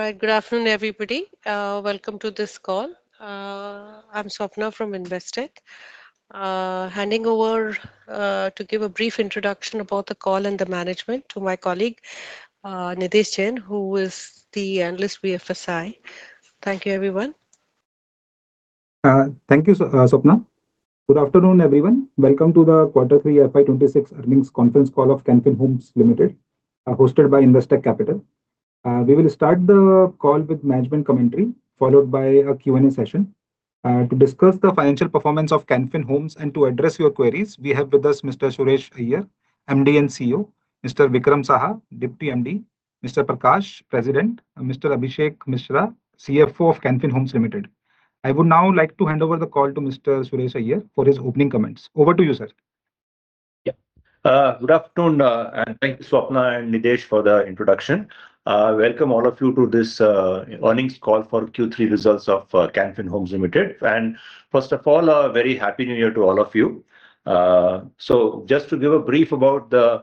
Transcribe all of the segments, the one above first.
Good afternoon, everybody. Welcome to this call. I'm Swapna from Investec, handing over to give a brief introduction about the call and the management to my colleague, Nidesh Jain, who is the analyst with Investec. Thank you, everyone. Thank you, Swapna. Good afternoon, everyone. Welcome to the quarter three FY 2026 earnings conference call of Can Fin Homes Limited, hosted by Investec. We will start the call with management commentary, followed by a Q&A session. To discuss the financial performance of Can Fin Homes and to address your queries, we have with us Mr. Suresh Iyer, MD and CEO, Mr. Vikram Saha, Deputy MD, Mr. Prakash, President, Mr. Abhishek Mishra, CFO of Can Fin Homes Limited. I would now like to hand over the call to Mr. Suresh Iyer for his opening comments. Over to you, sir. Yeah. Good afternoon, and thank you, Swapna and Nidesh, for the introduction. Welcome all of you to this earnings call for Q3 results of Can Fin Homes Limited. And first of all, a very happy New Year to all of you. So just to give a brief about the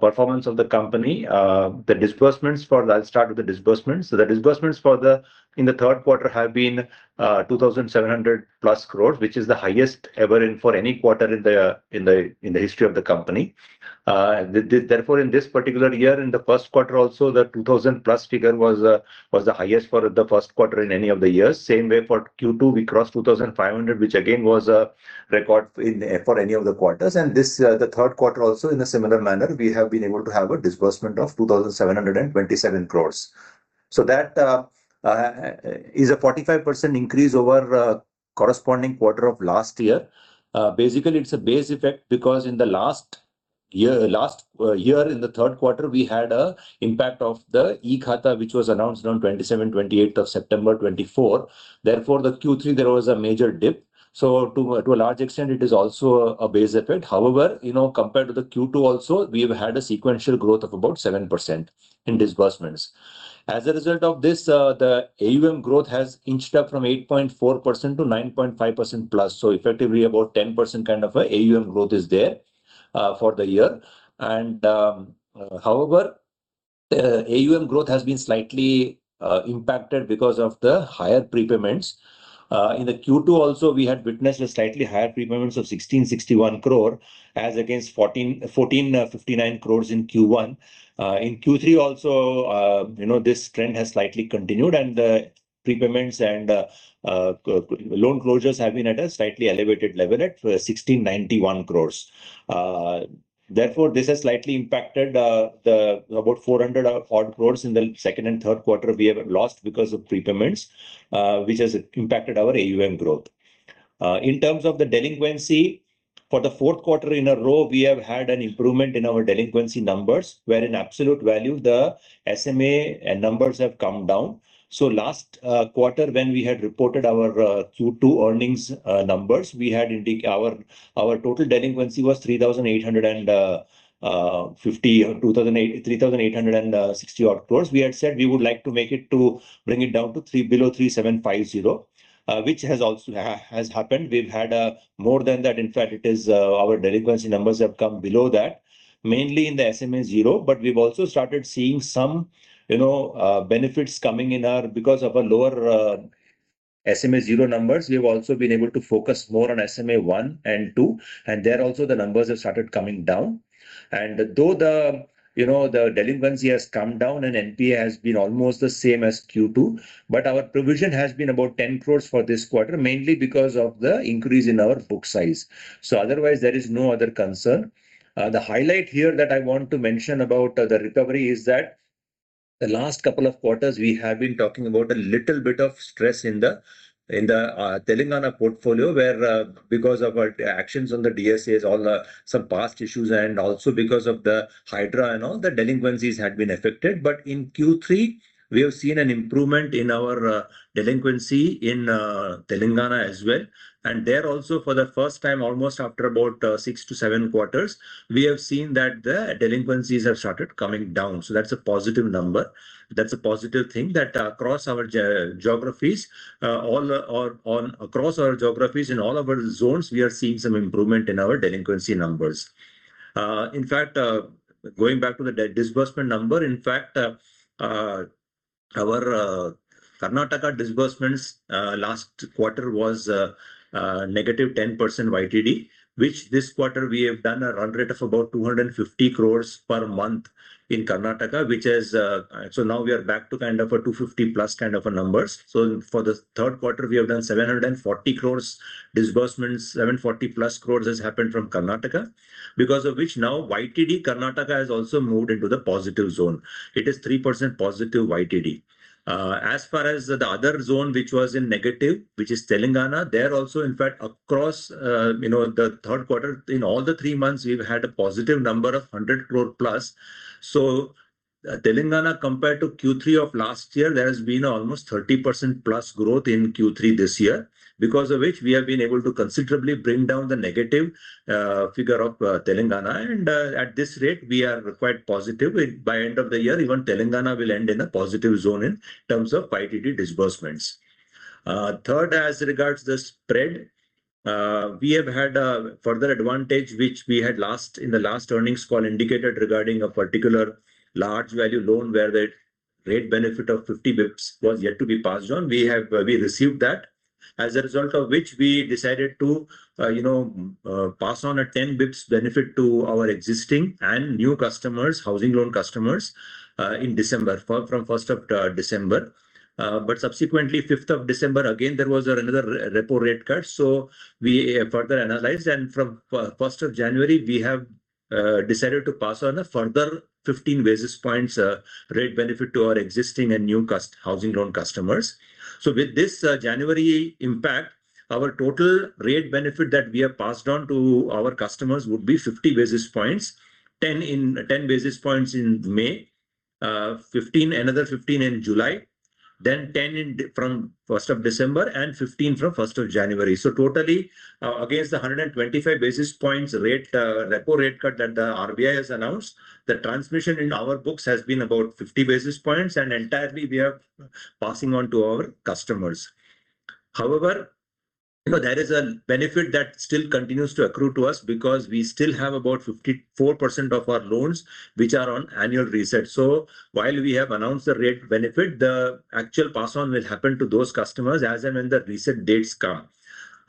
performance of the company, the disbursements. I'll start with the disbursements. So the disbursements for the third quarter have been 2,700+ crore, which is the highest ever for any quarter in the history of the company. Therefore, in this particular year, in the first quarter, also, the 2,000+ crore figure was the highest for the first quarter in any of the years. Same way for Q2, we crossed 2,500 crore, which again was a record for any of the quarters. And this third quarter, also, in a similar manner, we have been able to have a disbursement of 2,727 crore. That is a 45% increase over the corresponding quarter of last year. Basically, it's a base effect because in the last year, in the third quarter, we had an impact of the e-Khata, which was announced on 27, 28 of September 2024. Therefore, the Q3, there was a major dip. So to a large extent, it is also a base effect. However, compared to the Q2, also, we have had a sequential growth of about 7% in disbursements. As a result of this, the AUM growth has inched up from 8.4% to 9.5%+. So effectively, about 10% kind of AUM growth is there for the year. And however, AUM growth has been slightly impacted because of the higher prepayments. In the Q2, also, we had witnessed a slightly higher prepayment of 1,661 crore, as against 1,459 crores in Q1. In Q3, also, this trend has slightly continued, and the prepayments and loan closures have been at a slightly elevated level at 1,691 crores. Therefore, this has slightly impacted about 400 odd crores in the second and third quarter we have lost because of prepayments, which has impacted our AUM growth. In terms of the delinquency, for the fourth quarter in a row, we have had an improvement in our delinquency numbers, where in absolute value, the SMA numbers have come down. So last quarter, when we had reported our Q2 earnings numbers, we had our total delinquency was 3,860 odd crores. We had said we would like to bring it down to below 3,750 crore, which has also happened. We've had more than that. In fact, our delinquency numbers have come below that, mainly in the SMA-0. But we've also started seeing some benefits coming in because of our lower SMA-0 numbers. We have also been able to focus more on SMA-1 and SMA-2. And there also, the numbers have started coming down. And though the delinquency has come down and NPA has been almost the same as Q2, but our provision has been about 10 crores for this quarter, mainly because of the increase in our book size. So otherwise, there is no other concern. The highlight here that I want to mention about the recovery is that the last couple of quarters, we have been talking about a little bit of stress in the Telangana portfolio, because of our actions on the DSAs, all the past issues, and also because of the HYDRA and all, the delinquencies had been affected. But in Q3, we have seen an improvement in our delinquency in Telangana as well. And there also, for the first time, almost after about six to seven quarters, we have seen that the delinquencies have started coming down. So that's a positive number. That's a positive thing that across our geographies, across our geographies in all of our zones, we are seeing some improvement in our delinquency numbers. In fact, going back to the disbursement number, in fact, our Karnataka disbursements last quarter was -10% YTD, which this quarter we have done a run rate of about 250 crores per month in Karnataka. So now we are back to kind of a 250 crores+ kind of numbers. So for the third quarter, we have done 740 crores disbursements. 740+ crores has happened from Karnataka, because of which now YTD Karnataka has also moved into the positive zone. It is 3%+ YTD. As far as the other zone, which was in negative, which is Telangana, there also, in fact, across the third quarter, in all the three months, we've had a positive number of 100 crore+. So Telangana, compared to Q3 of last year, there has been almost 30%+ growth in Q3 this year, because of which we have been able to considerably bring down the negative figure of Telangana. And at this rate, we are quite positive. By end of the year, even Telangana will end in a positive zone in terms of YTD disbursements. Third, as regards the spread, we have had a further advantage, which we had in the last earnings call indicated regarding a particular large value loan where the rate benefit of 50 basis points was yet to be passed on. We received that, as a result of which we decided to pass on a 10 bps benefit to our existing and new customers, housing loan customers, in December, from 1st of December, but subsequently, 5th of December, again, there was another repo rate cut, so we further analyzed, and from 1st of January, we have decided to pass on a further 15 basis points rate benefit to our existing and new housing loan customers, so with this January impact, our total rate benefit that we have passed on to our customers would be 50 basis points, 10 basis points in May, another 15 in July, then 10 basis points from 1st of December, and 15 from 1st of January. Totally, against the 125 basis points repo rate cut that the RBI has announced, the transmission in our books has been about 50 basis points. Entirely, we are passing on to our customers. However, there is a benefit that still continues to accrue to us because we still have about 54% of our loans, which are on annual reset. While we have announced the rate benefit, the actual pass-on will happen to those customers as and when the reset dates come.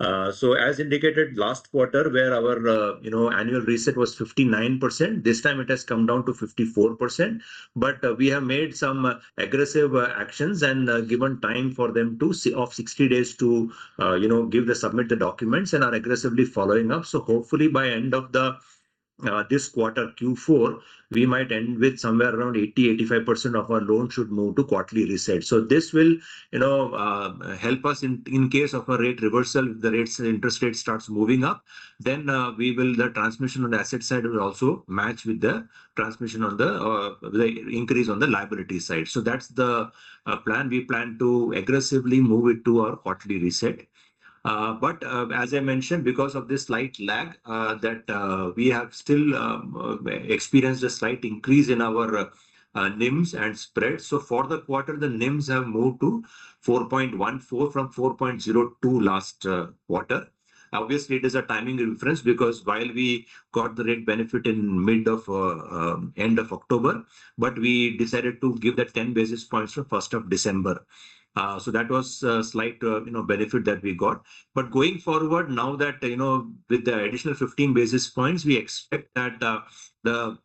As indicated last quarter, where our annual reset was 59%, this time it has come down to 54%. We have made some aggressive actions and given time for them of 60 days to submit the documents and are aggressively following up. Hopefully, by end of this quarter, Q4, we might end with somewhere around 80%-85% of our loans should move to quarterly reset. This will help us in case of a rate reversal. If the interest rate starts moving up, then the transmission on the asset side will also match with the transmission on the increase on the liability side. So that's the plan. We plan to aggressively move it to our quarterly reset. But as I mentioned, because of this slight lag, we have still experienced a slight increase in our NIMs and spread. So for the quarter, the NIMs have moved to 4.14 from 4.02 last quarter. Obviously, it is a timing difference because while we got the rate benefit in mid of end of October, we decided to give that 10 basis points from 1st of December. So that was a slight benefit that we got. But going forward, now that with the additional 15 basis points, we expect that the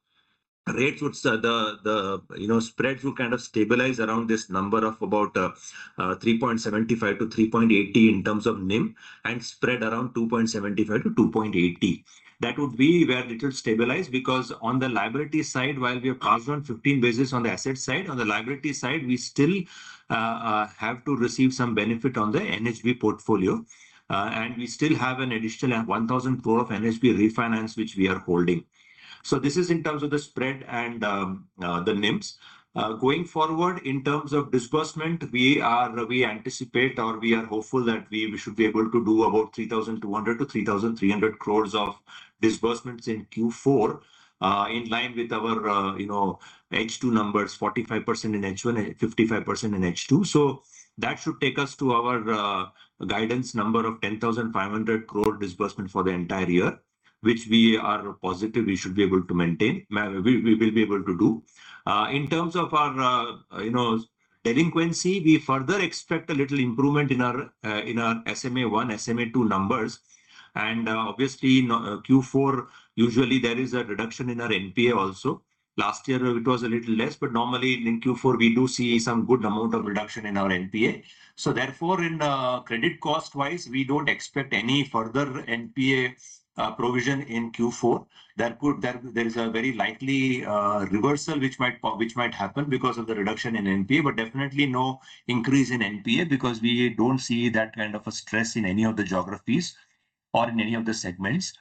spreads will kind of stabilize around this number of about 3.75-3.80 in terms of NIM and spread around 2.75-2.80. That would be where it will stabilize because on the liability side, while we have passed on 15 basis on the asset side, on the liability side, we still have to receive some benefit on the NHB portfolio. And we still have an additional 1,000 crore of NHB refinance, which we are holding. So this is in terms of the spread and the NIMs. Going forward, in terms of disbursement, we anticipate or we are hopeful that we should be able to do about 3,200 crores-3,300 crores of disbursements in Q4 in line with our H2 numbers, 45% in H1 and 55% in H2. So that should take us to our guidance number of 10,500 crore disbursement for the entire year, which we are positive we should be able to maintain. We will be able to do. In terms of our delinquency, we further expect a little improvement in our SMA-1, SMA-2 numbers. And obviously, Q4, usually, there is a reduction in our NPA also. Last year, it was a little less. But normally, in Q4, we do see some good amount of reduction in our NPA. So therefore, in credit cost-wise, we don't expect any further NPA provision in Q4. There is a very likely reversal which might happen because of the reduction in NPA. But definitely, no increase in NPA because we don't see that kind of a stress in any of the geographies or in any of the segments.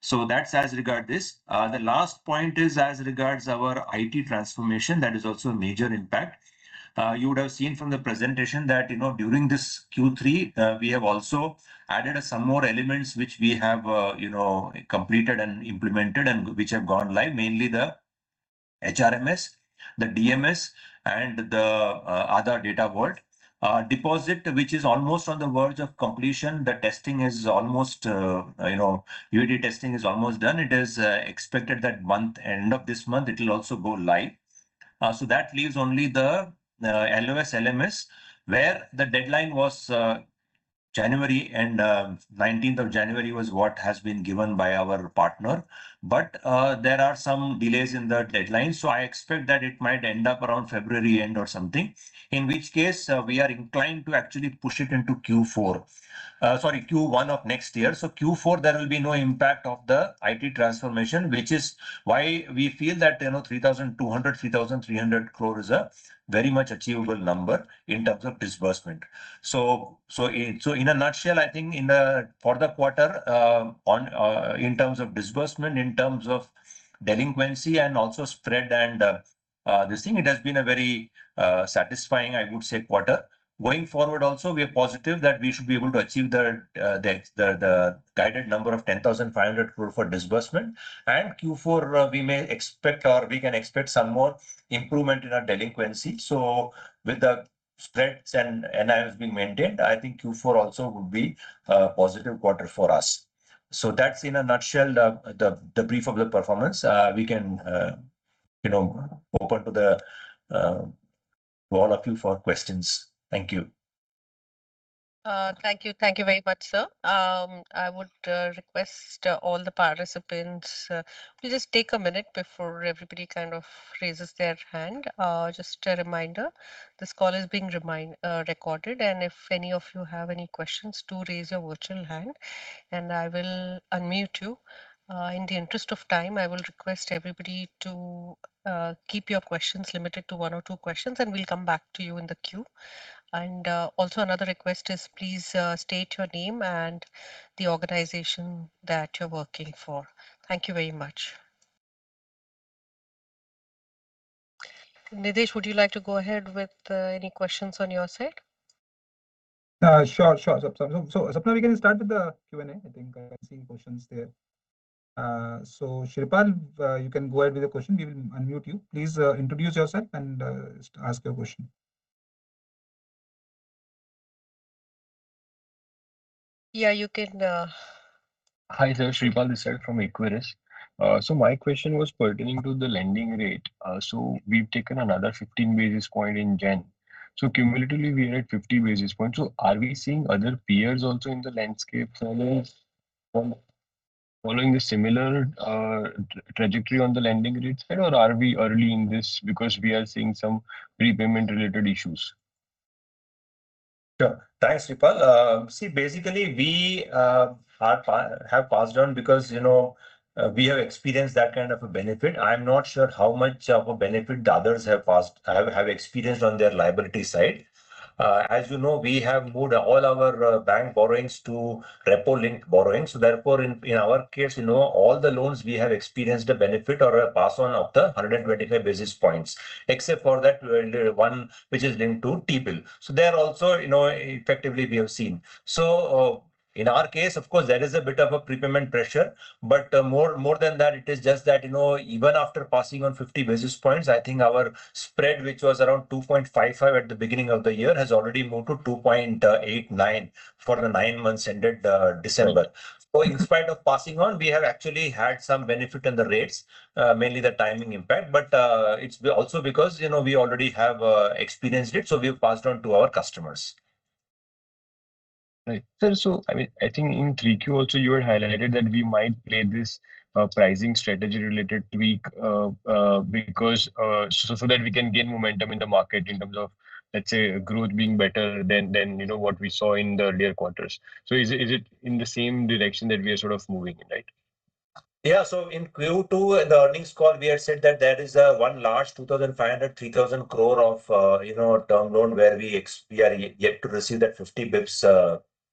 So that's as regards this. The last point is as regards our IT transformation that is also a major impact. You would have seen from the presentation that during this Q3, we have also added some more elements which we have completed and implemented and which have gone live, mainly the HRMS, the DMS, and the other Data Vault deployment, which is almost on the verge of completion. The testing is almost UAT testing is almost done. It is expected that month, end of this month, it will also go live. So that leaves only the LOS, LMS, where the deadline was January and 19th of January was what has been given by our partner. But there are some delays in the deadline. So I expect that it might end up around February end or something, in which case we are inclined to actually push it into Q4, sorry, Q1 of next year. So Q4, there will be no impact of the IT transformation, which is why we feel that 3,200 crore-3,300 crore is a very much achievable number in terms of disbursement. So in a nutshell, I think for the quarter, in terms of disbursement, in terms of delinquency, and also spread and this thing, it has been a very satisfying, I would say, quarter. Going forward also, we are positive that we should be able to achieve the guided number of 10,500 crore for disbursement. And Q4, we may expect or we can expect some more improvement in our delinquency. So with the spreads and NIMs being maintained, I think Q4 also would be a positive quarter for us. So that's in a nutshell, the brief of the performance. We can open to all of you for questions. Thank you. Thank you. Thank you very much, sir. I would request all the participants to just take a minute before everybody kind of raises their hand. Just a reminder, this call is being recorded. And if any of you have any questions, do raise your virtual hand. And I will unmute you. In the interest of time, I will request everybody to keep your questions limited to one or two questions, and we'll come back to you in the queue. And also, another request is please state your name and the organization that you're working for. Thank you very much. Nidesh, would you like to go ahead with any questions on your side? Sure, sure. So Swapna, we can start with the Q&A. I think I'm seeing questions there. So Shreepal, you can go ahead with the question. We will unmute you. Please introduce yourself and ask your question. Yeah, you can. Hi there. Shreepal Doshi from Equirus Securities. So my question was pertaining to the lending rate. So we've taken another 15 basis points in Jan. So cumulatively, we are at 50 basis points. So are we seeing other peers also in the landscape following the similar trajectory on the lending rate side, or are we early in this because we are seeing some repayment-related issues? Sure. Thanks, Shreepal. See, basically, we have passed on because we have experienced that kind of a benefit. I'm not sure how much of a benefit others have experienced on their liability side. As you know, we have moved all our bank borrowings to repo-linked borrowings. So therefore, in our case, all the loans we have experienced a benefit or a pass-on of the 125 basis points, except for that one, which is linked to T-Bill. So there also, effectively, we have seen. So in our case, of course, there is a bit of a prepayment pressure. But more than that, it is just that even after passing on 50 basis points, I think our spread, which was around 2.55 at the beginning of the year, has already moved to 2.89 for the nine months ended December. So in spite of passing on, we have actually had some benefit in the rates, mainly the timing impact. But it's also because we already have experienced it. So we've passed on to our customers. Right. Sir, so I mean, I think in 3Q also, you had highlighted that we might play this pricing strategy-related tweak so that we can gain momentum in the market in terms of, let's say, growth being better than what we saw in the earlier quarters. So is it in the same direction that we are sort of moving in, right? Yeah. So in Q2, in the earnings call, we had said that there is one large 2,500 crore-3,000 crore term loan where we are yet to receive that 50 basis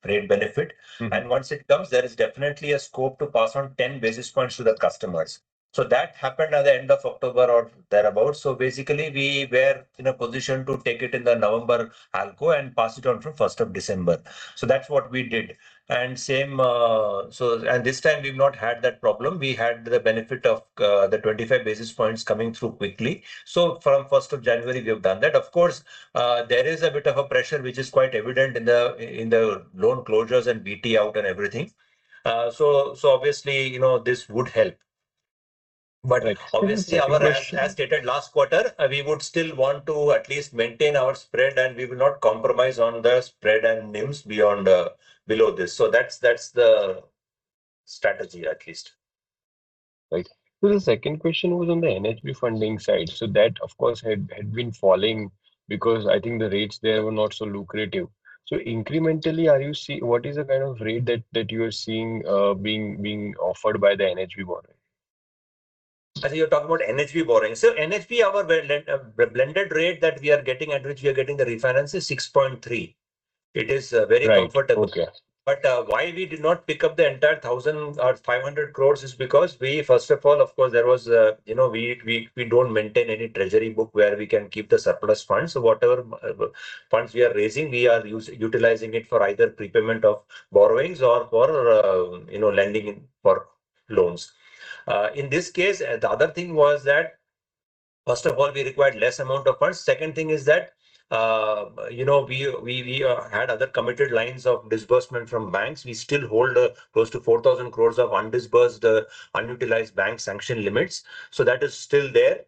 points rate benefit. And once it comes, there is definitely a scope to pass on 10 basis points to the customers. So that happened at the end of October or thereabouts. So basically, we were in a position to take it in the November ALCO and pass it on from 1st of December. So that's what we did. And this time, we've not had that problem. We had the benefit of the 25 basis points coming through quickly. So from 1st of January, we have done that. Of course, there is a bit of a pressure, which is quite evident in the loan closures and BT out and everything. So obviously, this would help. But obviously, as stated last quarter, we would still want to at least maintain our spread, and we will not compromise on the spread and NIMs below this. So that's the strategy, at least. Right. So the second question was on the NHB funding side. So that, of course, had been falling because I think the rates there were not so lucrative. So incrementally, what is the kind of rate that you are seeing being offered by the NHB borrowing? As you're talking about NHB borrowing, so NHB, our blended rate that we are getting, at which we are getting the refinancing, is 6.3. It is very comfortable. But why we did not pick up the entire 1,500 crores is because we, first of all, of course, there was, we don't maintain any treasury book where we can keep the surplus funds. Whatever funds we are raising, we are utilizing it for either prepayment of borrowings or for lending for loans. In this case, the other thing was that, first of all, we required less amount of funds. Second thing is that we had other committed lines of disbursement from banks. We still hold close to 4,000 crores of undisbursed, unutilized bank sanction limits. So that is still there.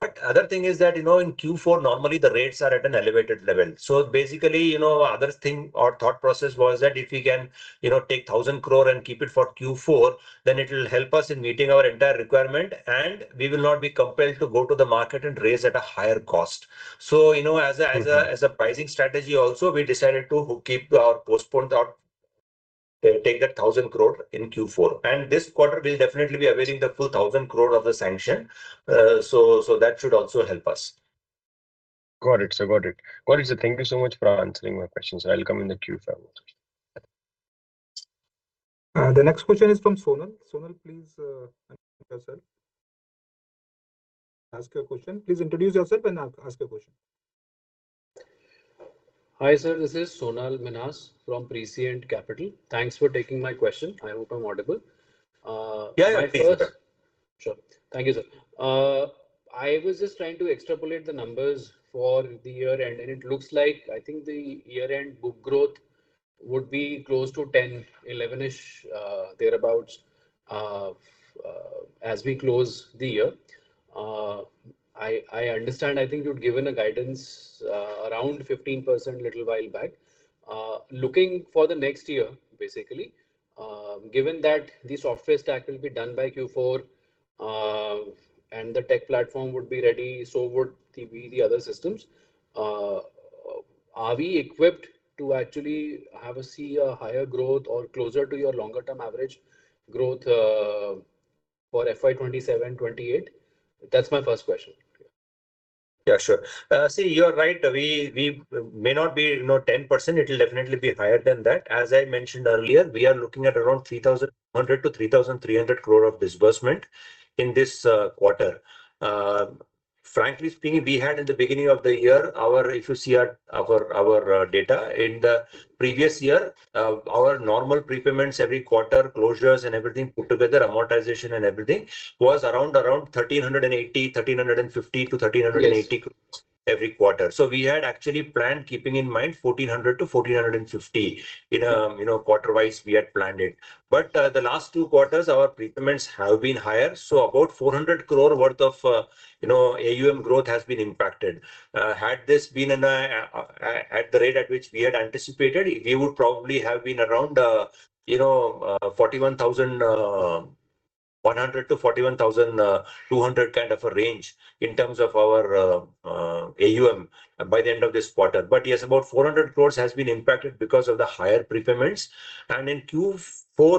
But other thing is that in Q4, normally, the rates are at an elevated level. So basically, other thing or thought process was that if we can take 1,000 crore and keep it for Q4, then it will help us in meeting our entire requirement, and we will not be compelled to go to the market and raise at a higher cost. So as a pricing strategy also, we decided to postpone or take that 1,000 crore in Q4. And this quarter, we'll definitely be availing the full 1,000 crore of the sanction. So that should also help us. Got it. So got it. Got it. So thank you so much for answering my questions. I'll come in the Q&A. The next question is from Sonal. Sonal, please introduce yourself. Ask your question. Please introduce yourself and ask your question. Hi, sir, this is Sonal Minhas from Prescient Capital. Thanks for taking my question. I hope I'm audible. Yeah, yeah. Sure. Thank you, sir. I was just trying to extrapolate the numbers for the year-end, and it looks like I think the year-end book growth would be close to 10, 11-ish, thereabouts as we close the year. I understand I think you'd given a guidance around 15% a little while back. Looking for the next year, basically, given that the software stack will be done by Q4 and the tech platform would be ready, so would the other systems, are we equipped to actually have a higher growth or closer to your longer-term average growth for FY 2027-2028? That's my first question. Yeah, sure. See, you're right. We may not be 10%. It'll definitely be higher than that. As I mentioned earlier, we are looking at around 3,200 crore-3,300 crore of disbursement in this quarter. Frankly speaking, we had in the beginning of the year, if you see our data in the previous year, our normal prepayments every quarter, closures, and everything put together, amortization, and everything was around 1,380 crore, 1,350 crore-1,380 crore every quarter. So we had actually planned, keeping in mind 1,400 crore-1,450 crore quarter-wise, we had planned it. The last two quarters, our prepayments have been higher. About 400 crore worth of AUM growth has been impacted. Had this been at the rate at which we had anticipated, we would probably have been around 41,100-41,200 kind of a range in terms of our AUM by the end of this quarter. Yes, about 400 crores has been impacted because of the higher prepayments. In Q4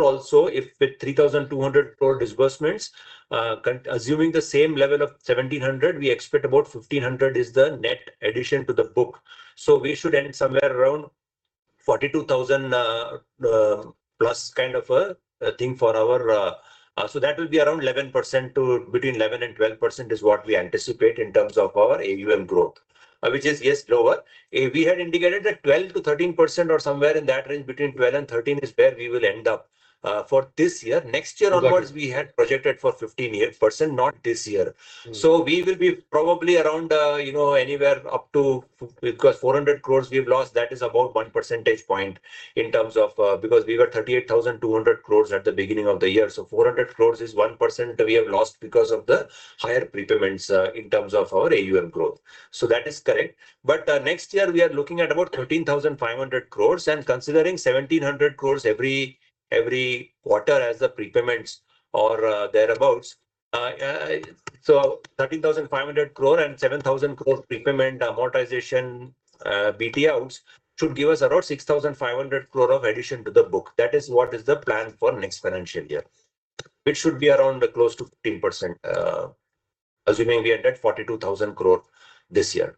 also, if with 3,200 crore disbursements, assuming the same level of 1,700, we expect about 1,500 is the net addition to the book. We should end somewhere around 42,000+ kind of a thing for our. That will be around 11% to between 11%-12% is what we anticipate in terms of our AUM growth, which is, yes, lower. We had indicated that 12% to 13% or somewhere in that range, between 12% and 13%, is where we will end up for this year. Next year onwards, we had projected for 15%, not this year. So we will be probably around anywhere up to because 400 crores we've lost, that is about one percentage point in terms of because we were 38,200 crores at the beginning of the year. So 400 crores is 1% we have lost because of the higher prepayments in terms of our AUM growth. So that is correct. But next year, we are looking at about 13,500 crores and considering 1,700 crores every quarter as the prepayments or thereabouts. So 13,500 crore and 7,000 crore prepayment amortization, BT outs should give us around 6,500 crore of addition to the book. That is what is the plan for next financial year, which should be around close to 15%, assuming we are at 42,000 crore this year.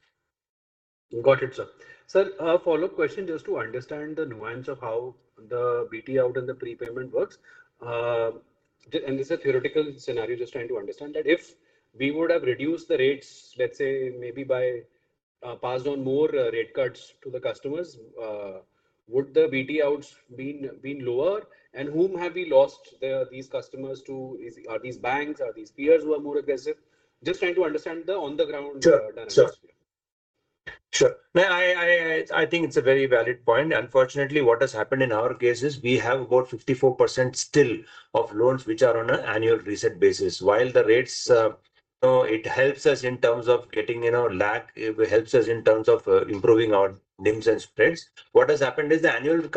Got it, sir. Sir, a follow-up question just to understand the nuance of how the BT out and the prepayment works. And this is a theoretical scenario, just trying to understand that if we would have reduced the rates, let's say maybe passed on more rate cuts to the customers, would the BT outs been lower? And whom have we lost these customers to? Are these banks? Are these peers who are more aggressive? Just trying to understand the on-the-ground analysis. Sure. Sure. I think it's a very valid point. Unfortunately, what has happened in our case is we have about 54% still of loans which are on an annual reset basis. While the rates, it helps us in terms of getting in our lag, it helps us in terms of improving our NIMs and spreads. What has happened is the annual reset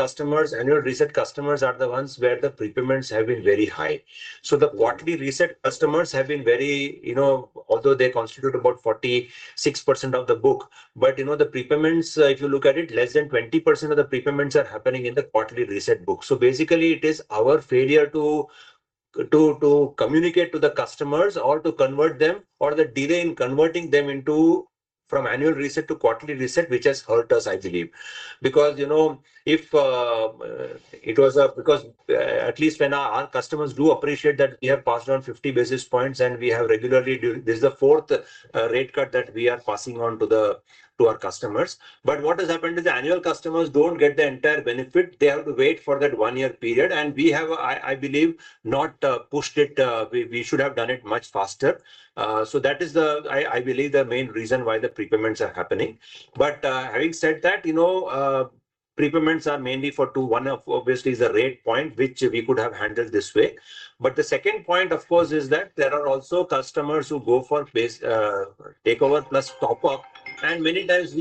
customers are the ones where the prepayments have been very high. So the quarterly reset customers have been very, although they constitute about 46% of the book. But the prepayments, if you look at it, less than 20% of the prepayments are happening in the quarterly reset book. So basically, it is our failure to communicate to the customers or to convert them or the delay in converting them from annual reset to quarterly reset, which has hurt us, I believe. Because if it was because at least when our customers do appreciate that we have passed on 50 basis points and we have regularly, this is the fourth rate cut that we are passing on to our customers. But what has happened is the annual customers don't get the entire benefit. They have to wait for that one-year period. And we have, I believe, not pushed it. We should have done it much faster. So that is, I believe, the main reason why the prepayments are happening. But having said that, prepayments are mainly for two. One of, obviously, is the rate point, which we could have handled this way. But the second point, of course, is that there are also customers who go for takeover plus top-up. And many times,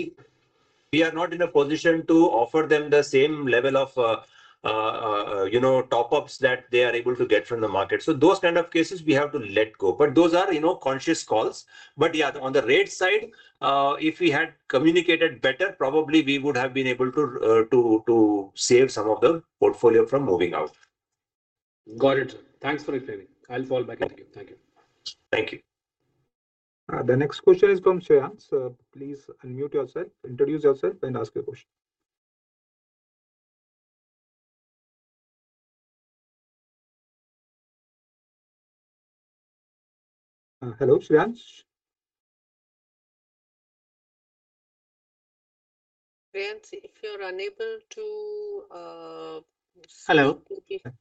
we are not in a position to offer them the same level of top-ups that they are able to get from the market. So those kind of cases, we have to let go. But those are conscious calls. But yeah, on the rate side, if we had communicated better, probably we would have been able to save some of the portfolio from moving out. Got it. Thanks for explaining. I'll fall back into you. Thank you. Thank you. The next question is from Shreyans. Please unmute yourself, introduce yourself, and ask your question. Hello, Shreyans. Shreyans, if you're unable to— Hello.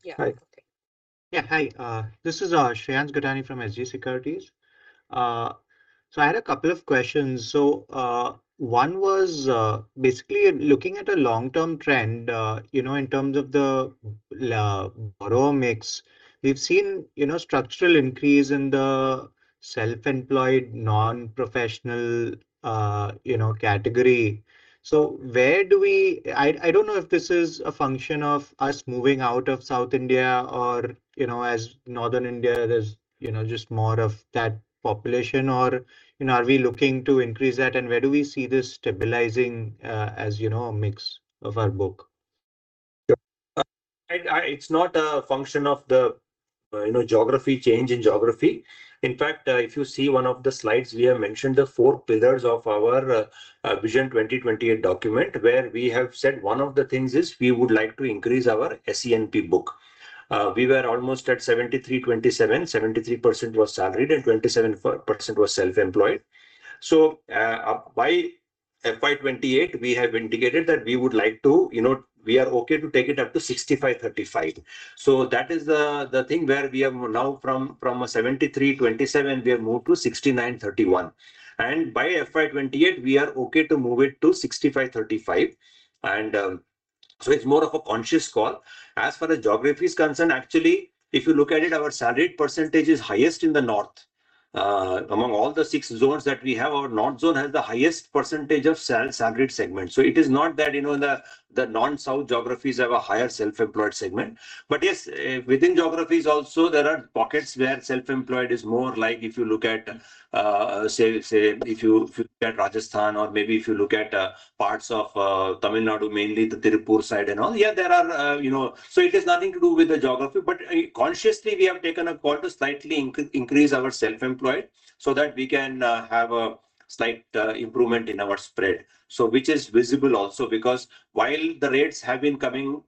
Yeah, okay. Yeah, hi. This is Shreyans Guttani from SG Securities. So I had a couple of questions. So one was basically looking at a long-term trend in terms of the borrower mix. We've seen structural increase in the self-employed, non-professional category. So where do we—I don't know if this is a function of us moving out of South India or as Northern India, there's just more of that population, or are we looking to increase that? And where do we see this stabilizing as a mix of our book? Sure. It's not a function of the geography change in geography. In fact, if you see one of the slides, we have mentioned the four pillars of our Vision 2028 document, where we have said one of the things is we would like to increase our SENP book. We were almost at 73%-27%. 73% was salaried and 27% was self-employed. So by FY 2028, we have indicated that we would like to—we are okay to take it up to 65%-35%. So that is the thing where we have now from 73%-27%, we have moved to 69%-31%. And by FY 2028, we are okay to move it to 65%-35%. And so it's more of a conscious call. As far as geography is concerned, actually, if you look at it, our salaried percentage is highest in the north. Among all the six zones that we have, our north zone has the highest percentage of salaried segment. So it is not that the non-south geographies have a higher self-employed segment. But yes, within geographies also, there are pockets where self-employed is more like. If you look at, say, if you look at Rajasthan or maybe if you look at parts of Tamil Nadu, mainly the Tirupur side and all, yeah, there are—so it has nothing to do with the geography. But consciously, we have taken a call to slightly increase our self-employed so that we can have a slight improvement in our spread, which is visible also because while the rates have been coming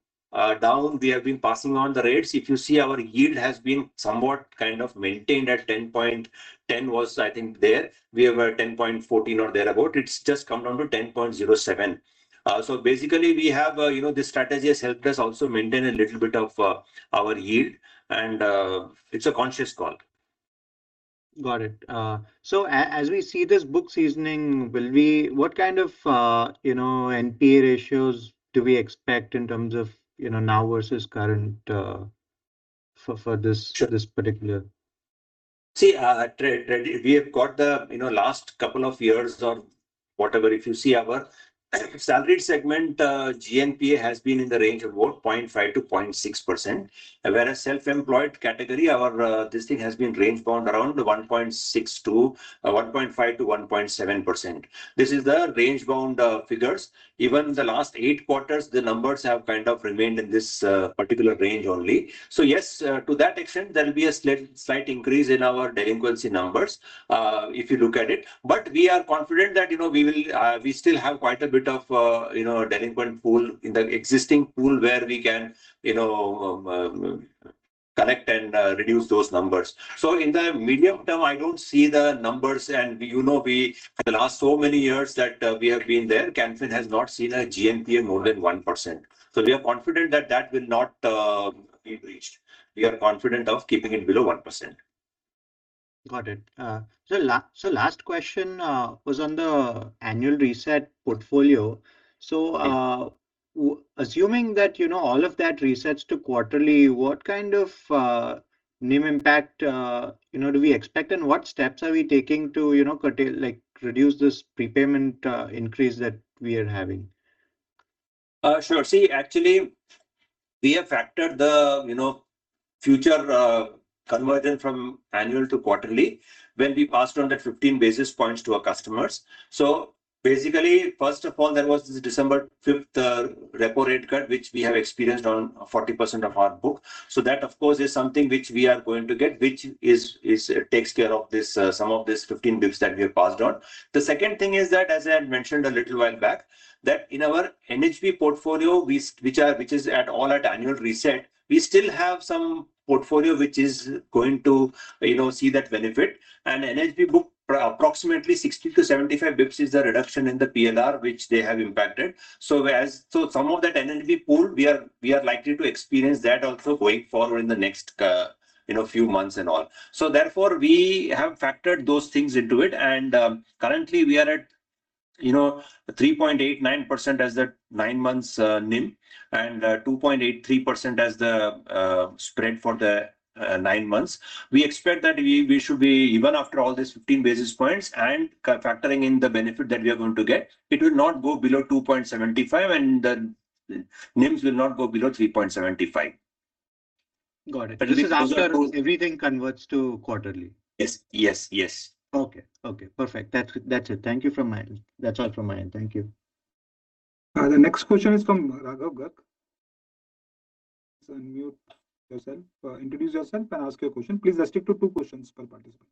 down, we have been passing on the rates. If you see, our yield has been somewhat kind of maintained at 10.10, I think there. We have 10.14 or thereabout. It's just come down to 10.07. So basically, we have this strategy has helped us also maintain a little bit of our yield. And it's a conscious call. Got it. So as we see this book seasoning, what kind of NPA ratios do we expect in terms of now versus current for this particular? See, we have got the last couple of years or whatever. If you see our salaried segment, GNPA has been in the range of 0.5%-0.6%. Whereas self-employed category, this thing has been range bound around 1.6% to 1.5% to 1.7%. This is the range bound figures. Even the last eight quarters, the numbers have kind of remained in this particular range only. So yes, to that extent, there will be a slight increase in our delinquency numbers if you look at it. But we are confident that we still have quite a bit of delinquent pool in the existing pool where we can collect and reduce those numbers. So in the medium term, I don't see the numbers. And the last so many years that we have been there, Can Fin has not seen a GNPA more than 1%. So we are confident that that will not be reached. We are confident of keeping it below 1%. Got it. So last question was on the annual reset portfolio. So assuming that all of that resets to quarterly, what kind of NIM impact do we expect and what steps are we taking to reduce this prepayment increase that we are having? Sure. See, actually, we have factored the future conversion from annual to quarterly when we passed on the 15 basis points to our customers. So basically, first of all, there was this December 5th repo rate cut, which we have experienced on 40% of our book. So that, of course, is something which we are going to get, which takes care of some of these 15 basis points that we have passed on. The second thing is that, as I had mentioned a little while back, that in our NHB portfolio, which is all at annual reset, we still have some portfolio which is going to see that benefit. And NHB book, approximately 60 bps-75 bps is the reduction in the PLR, which they have impacted. So some of that NHB pool, we are likely to experience that also going forward in the next few months and all. So therefore, we have factored those things into it. And currently, we are at 3.89% as the nine months NIM and 2.83% as the spread for the nine months. We expect that we should be, even after all these 15 basis points and factoring in the benefit that we are going to get, it will not go below 2.75 and the NIMs will not go below 3.75. Got it, but this is after everything converts to quarterly. Yes. Yes. Yes. Okay. Okay. Perfect. That's it. Thank you from my end. That's all from my end. Thank you. The next question is from Raghav Garg. Unmute yourself, introduce yourself, and ask your question. Please restrict to two questions per participant.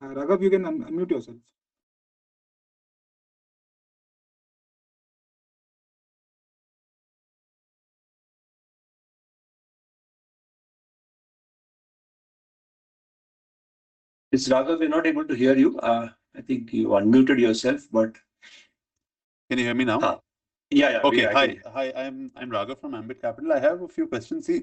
Raghav, you can unmute yourself. It's Raghav, we're not able to hear you. I think you unmuted yourself, but. Can you hear me now? Yeah, yeah. Okay. Hi. Hi. I'm Raghav from Ambit Capital. I have a few questions. See,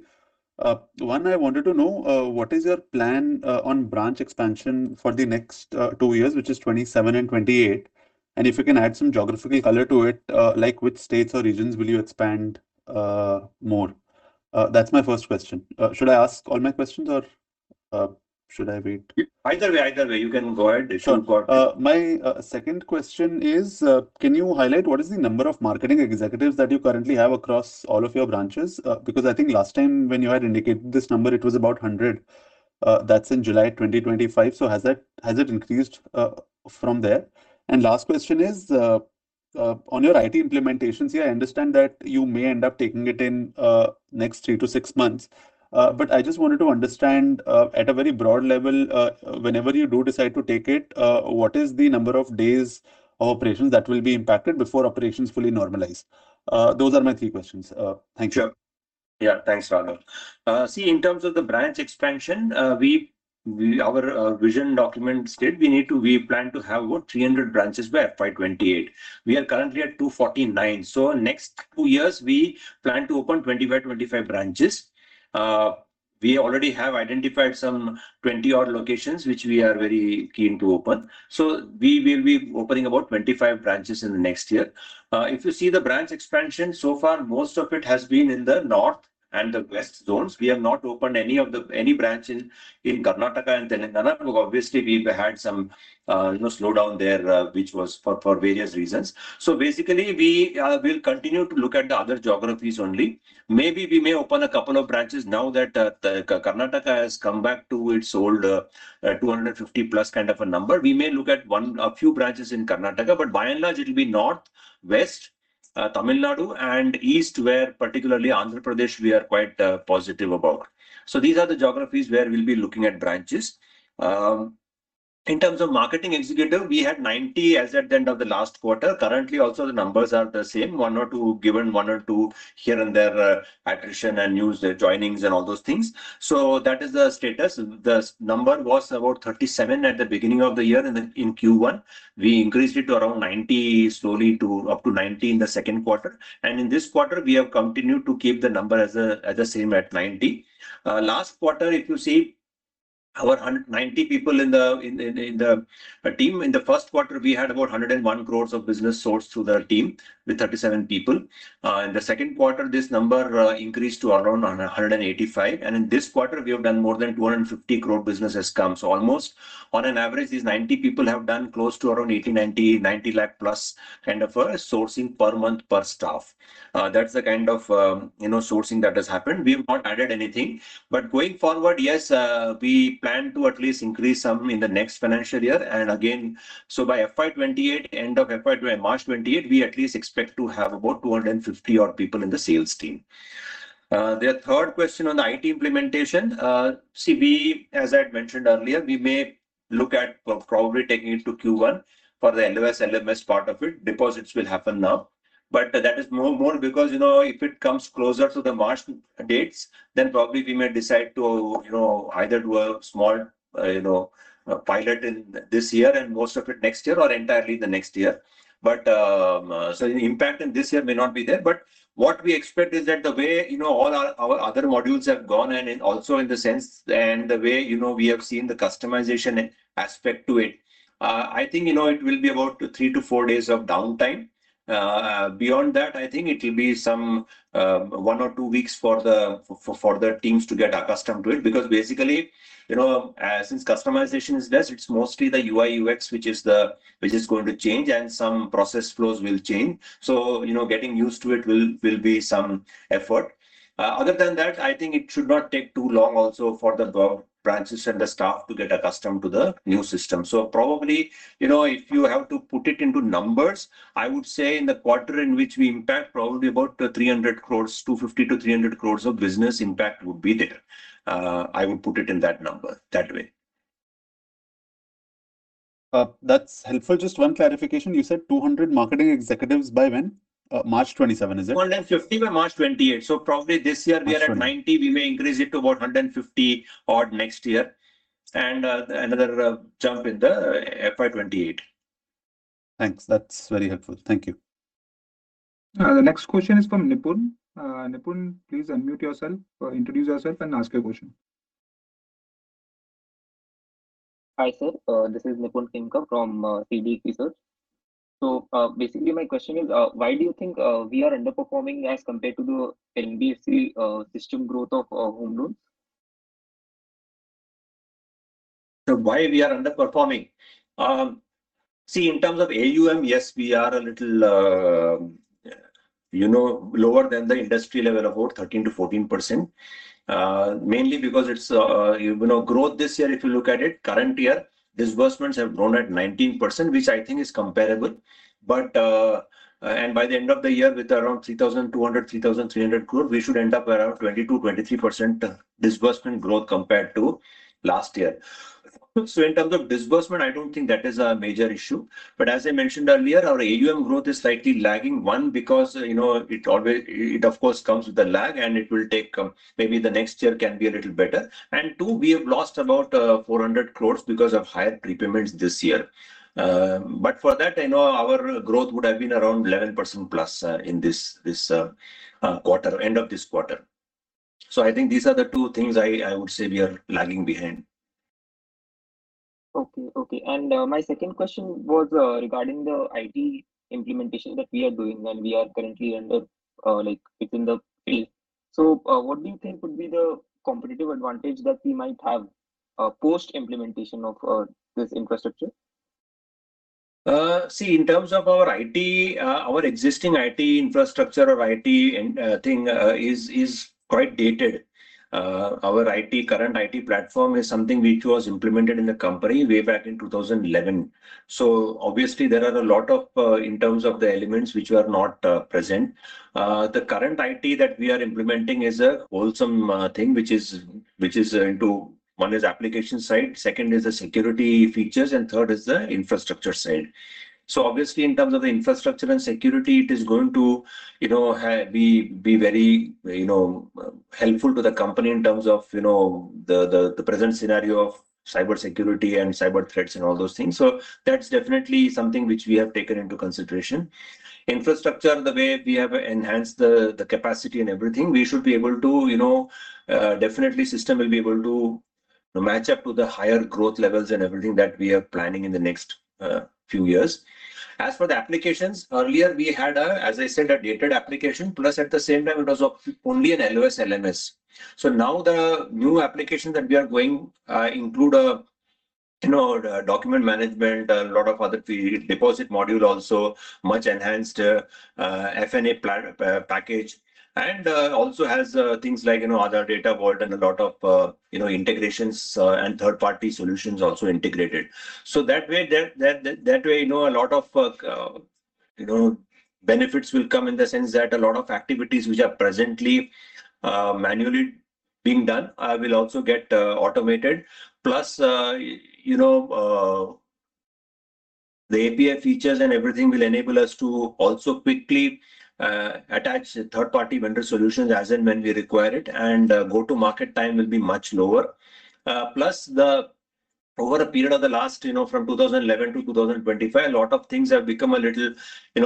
one, I wanted to know, what is your plan on branch expansion for the next two years, which is 2027 and 2028? And if you can add some geographical color to it, like which states or regions will you expand more? That's my first question. Should I ask all my questions or should I wait? Either way, either way. You can go ahead. Sure. My second question is, can you highlight what is the number of marketing executives that you currently have across all of your branches? Because I think last time when you had indicated this number, it was about 100. That's in July 2025. So has it increased from there? And last question is, on your IT implementations here, I understand that you may end up taking it in next three to six months. But I just wanted to understand at a very broad level, whenever you do decide to take it, what is the number of days or operations that will be impacted before operations fully normalize? Those are my three questions. Thank you. Sure. Yeah. Thanks, Raghav. See, in terms of the branch expansion, our vision document stated we plan to have about 300 branches by FY 2028. We are currently at 249. So next two years, we plan to open 20 by 25 branches. We already have identified some 20-odd locations, which we are very keen to open. So we will be opening about 25 branches in the next year. If you see the branch expansion, so far, most of it has been in the North and the West zones. We have not opened any branch in Karnataka and Telangana. Obviously, we've had some slowdown there, which was for various reasons. So basically, we will continue to look at the other geographies only. Maybe we may open a couple of branches now that Karnataka has come back to its old 250+ kind of a number. We may look at a few branches in Karnataka, but by and large, it will be north, west, Tamil Nadu, and east, where particularly Andhra Pradesh, we are quite positive about. So these are the geographies where we'll be looking at branches. In terms of marketing executive, we had 90 as at the end of the last quarter. Currently, also the numbers are the same. One or two, given one or two here and there attrition and new joinings and all those things. So that is the status. The number was about 37 at the beginning of the year in Q1. We increased it to around 90 slowly to up to 90 in the second quarter. In this quarter, we have continued to keep the number as the same at 90. Last quarter, if you see, our 90 people in the team, in the first quarter, we had about 101 crores of business sourced through the team with 37 people. In the second quarter, this number increased to around 185. And in this quarter, we have done more than 250 crore business has come. So almost on an average, these 90 people have done close to around 80 lakh-90 lakh+ kind of a sourcing per month per staff. That's the kind of sourcing that has happened. We have not added anything. But going forward, yes, we plan to at least increase some in the next financial year. By FY 2028, end of FY 2028, March 2028, we at least expect to have about 250 odd people in the sales team. The third question on the IT implementation, see, as I had mentioned earlier, we may look at probably taking it to Q1 for the LOS, LMS part of it. Deposits will happen now. But that is more because if it comes closer to the March dates, then probably we may decide to either do a small pilot in this year and most of it next year or entirely the next year. But so the impact in this year may not be there. But what we expect is that the way all our other modules have gone and also in the sense and the way we have seen the customization aspect to it, I think it will be about three to four days of downtime. Beyond that, I think it will be some one or two weeks for the teams to get accustomed to it because basically, since customization is less, it's mostly the UI, UX, which is going to change, and some process flows will change. So getting used to it will be some effort. Other than that, I think it should not take too long also for the branches and the staff to get accustomed to the new system. So probably if you have to put it into numbers, I would say in the quarter in which we impact, probably about 250 crores-300 crores of business impact would be there. I would put it in that number that way. That's helpful. Just one clarification. You said 200 marketing executives by when? March 2027, is it? 150 by March 2028. So probably this year we are at 90. We may increase it to about 150 odd next year and another jump in the FY 2028. Thanks. That's very helpful. Thank you. The next question is from Nipun. Nipun, please unmute yourself, introduce yourself, and ask your question. Hi sir. This is Nipun Khemka from InCred Capital. So basically, my question is, why do you think we are underperforming as compared to the NBFC system growth of home loans? So why we are underperforming? See, in terms of AUM, yes, we are a little lower than the industry level of about 13%-14%. Mainly because it's growth this year, if you look at it, current year, disbursements have grown at 19%, which I think is comparable. And by the end of the year, with around 3,200 crore, 3,300 crore, we should end up around 22%-23% disbursement growth compared to last year. So in terms of disbursement, I don't think that is a major issue. But as I mentioned earlier, our AUM growth is slightly lagging. One, because it always, it of course comes with a lag, and it will take maybe the next year can be a little better. And two, we have lost about 400 crores because of higher prepayments this year. But for that, I know our growth would have been around 11%+ in this quarter, end of this quarter. So I think these are the two things I would say we are lagging behind. Okay. Okay. And my second question was regarding the IT implementation that we are doing and we are currently undergoing within the. So what do you think would be the competitive advantage that we might have post-implementation of this infrastructure? See, in terms of our IT, our existing IT infrastructure or IT thing is quite dated. Our current IT platform is something which was implemented in the company way back in 2011. So obviously, there are a lot of in terms of the elements which are not present. The current IT that we are implementing is a wholesome thing, which is into one is application side, second is the security features, and third is the infrastructure side. So obviously, in terms of the infrastructure and security, it is going to be very helpful to the company in terms of the present scenario of cyber security and cyber threats and all those things. So that's definitely something which we have taken into consideration. Infrastructure, the way we have enhanced the capacity and everything, we should be able to, definitely. The system will be able to match up to the higher growth levels and everything that we are planning in the next few years. As for the applications, earlier we had, as I said, a dated application, plus at the same time, it was only an LOS, LMS. So now the new application that we are going include a document management, a lot of other deposit module, also much enhanced FNA package, and also has things like other data vault and a lot of integrations and third-party solutions also integrated. So that way, a lot of benefits will come in the sense that a lot of activities which are presently manually being done will also get automated. Plus, the API features and everything will enable us to also quickly attach third-party vendor solutions as and when we require it, and go-to-market time will be much lower. Plus, over a period of the last from 2011 to 2025, a lot of things have become a little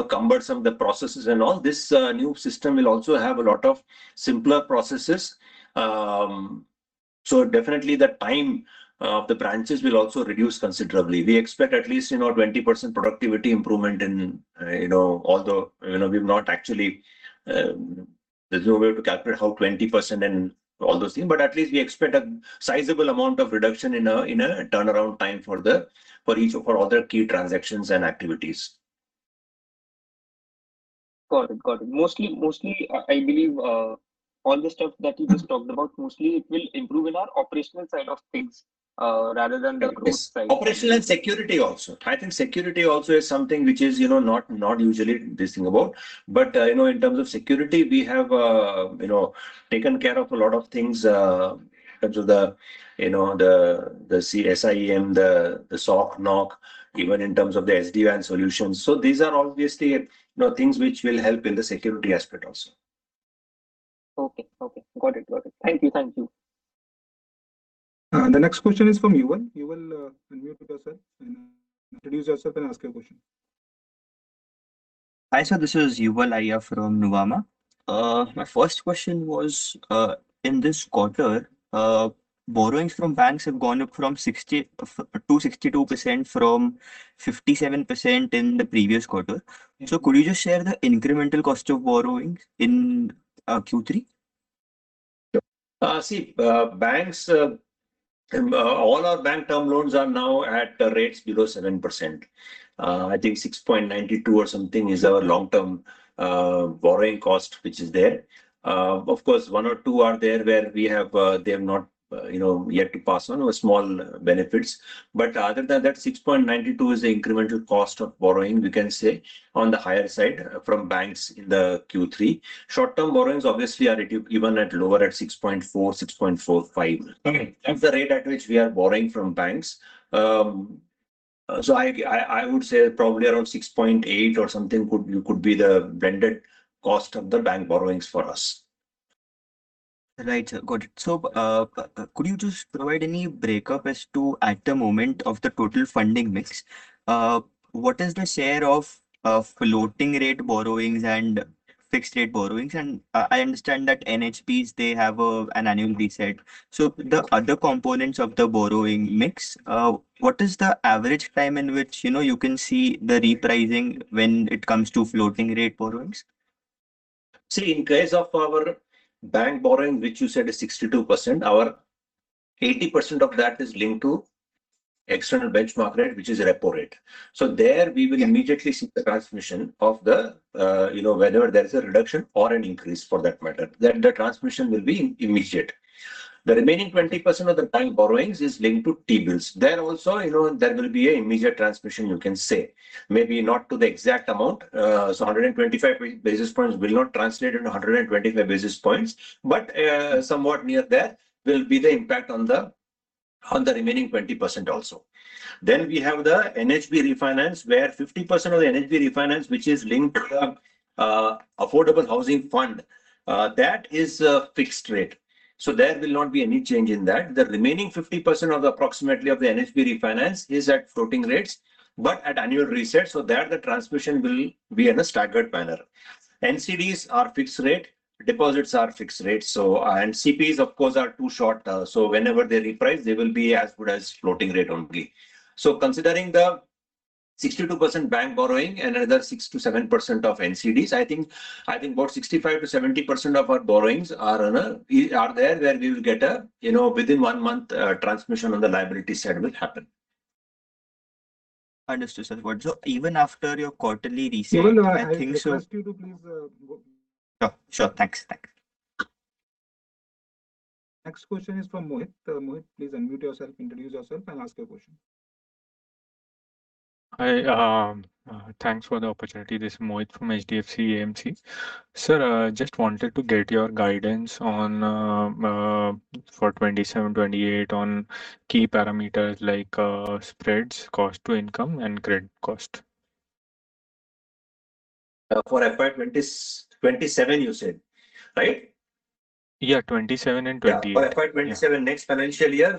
cumbersome, the processes and all. This new system will also have a lot of simpler processes. So definitely, the time of the branches will also reduce considerably. We expect at least 20% productivity improvement in all. The we've not actually. There's no way to calculate how 20% and all those things, but at least we expect a sizable amount of reduction in a turnaround time for each of our other key transactions and activities. Got it. Got it. Mostly, I believe all the stuff that you just talked about, mostly it will improve in our operational side of things rather than the growth side. Operational and security also. I think security also is something which is not usually this thing about. But in terms of security, we have taken care of a lot of things in terms of the SIEM, the SOC, NOC, even in terms of the SD-WAN solutions. So these are obviously things which will help in the security aspect also. Okay. Okay. Got it. Got it. Thank you. Thank you. The next question is from Yuval. Yuval, unmute yourself and introduce yourself and ask your question. Hi, sir, this is Yuval Aiya from Nuvama. My first question was, in this quarter, borrowings from banks have gone up from 262% from 57% in the previous quarter. So could you just share the incremental cost of borrowing in Q3? See, all our bank term loans are now at rates below 7%. I think 6.92 or something is our long-term borrowing cost, which is there. Of course, one or two are there where they have not yet to pass on or small benefits. But other than that, 6.92 is the incremental cost of borrowing, we can say, on the higher side from banks in the Q3. Short-term borrowings obviously are even at lower at 6.4-6.45. That's the rate at which we are borrowing from banks. So I would say probably around 6.8 or something could be the blended cost of the bank borrowings for us. Right. Got it. So could you just provide any break-up as to, at the moment, of the total funding mix? What is the share of floating rate borrowings and fixed rate borrowings? I understand that NHPs, they have an annual reset. The other components of the borrowing mix, what is the average time in which you can see the repricing when it comes to floating rate borrowings? See, in case of our bank borrowing, which you said is 62%, our 80% of that is linked to external benchmark rate, which is repo rate. There we will immediately see the transmission of the whenever there is a reduction or an increase for that matter, that the transmission will be immediate. The remaining 20% of the bank borrowings is linked to T-bills. There also, there will be an immediate transmission, you can say. Maybe not to the exact amount. 125 basis points will not translate into 125 basis points, but somewhat near there will be the impact on the remaining 20% also. We have the NHB refinance, where 50% of the NHB refinance, which is linked to the Affordable Housing Fund, that is a fixed rate. So there will not be any change in that. The remaining 50%, approximately, of the NHB refinance is at floating rates, but at annual reset. So there the transmission will be in a staggered manner. NCDs are fixed rate. Deposits are fixed rate. So and CPs, of course, are too short. So whenever they reprice, they will be as good as floating rate only. So considering the 62% bank borrowing and another 6%-7% of NCDs, I think about 65%-70% of our borrowings are there where we will get transmission within one month on the liability side will happen. Understood, sir. So even after your quarterly reset, I think so. Sure. Thanks. Thanks. Next question is from Mohit. Mohit, please unmute yourself, introduce yourself, and ask your question. Thanks for the opportunity. This is Mohit from HDFC AMC. Sir, I just wanted to get your guidance for 2027, 2028 on key parameters like spreads, cost to income, and credit cost. For FY 2027, you said, right? Yeah, 2027 and 2028. For FY 2027, next financial year,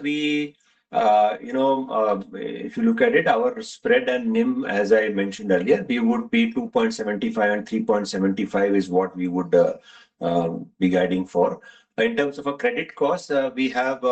if you look at it, our spread and NIM, as I mentioned earlier, we would be 2.75 and 3.75 is what we would be guiding for. In terms of a credit cost, we have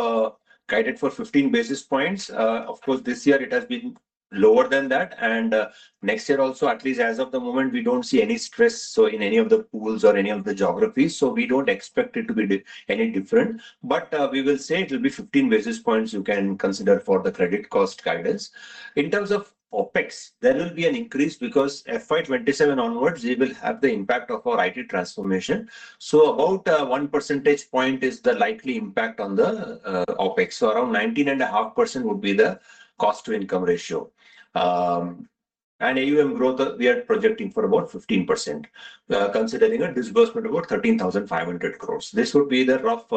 guided for 15 basis points. Of course, this year it has been lower than that, and next year also, at least as of the moment, we don't see any stress in any of the pools or any of the geographies, so we don't expect it to be any different. But we will say it will be 15 basis points you can consider for the credit cost guidance. In terms of OpEx, there will be an increase because FY 2027 onwards, we will have the impact of our IT transformation. So about 1 percentage point is the likely impact on the OpEx. So around 19.5% would be the cost to income ratio. And AUM growth, we are projecting for about 15%, considering a disbursement of about 13,500 crores. This would be the rough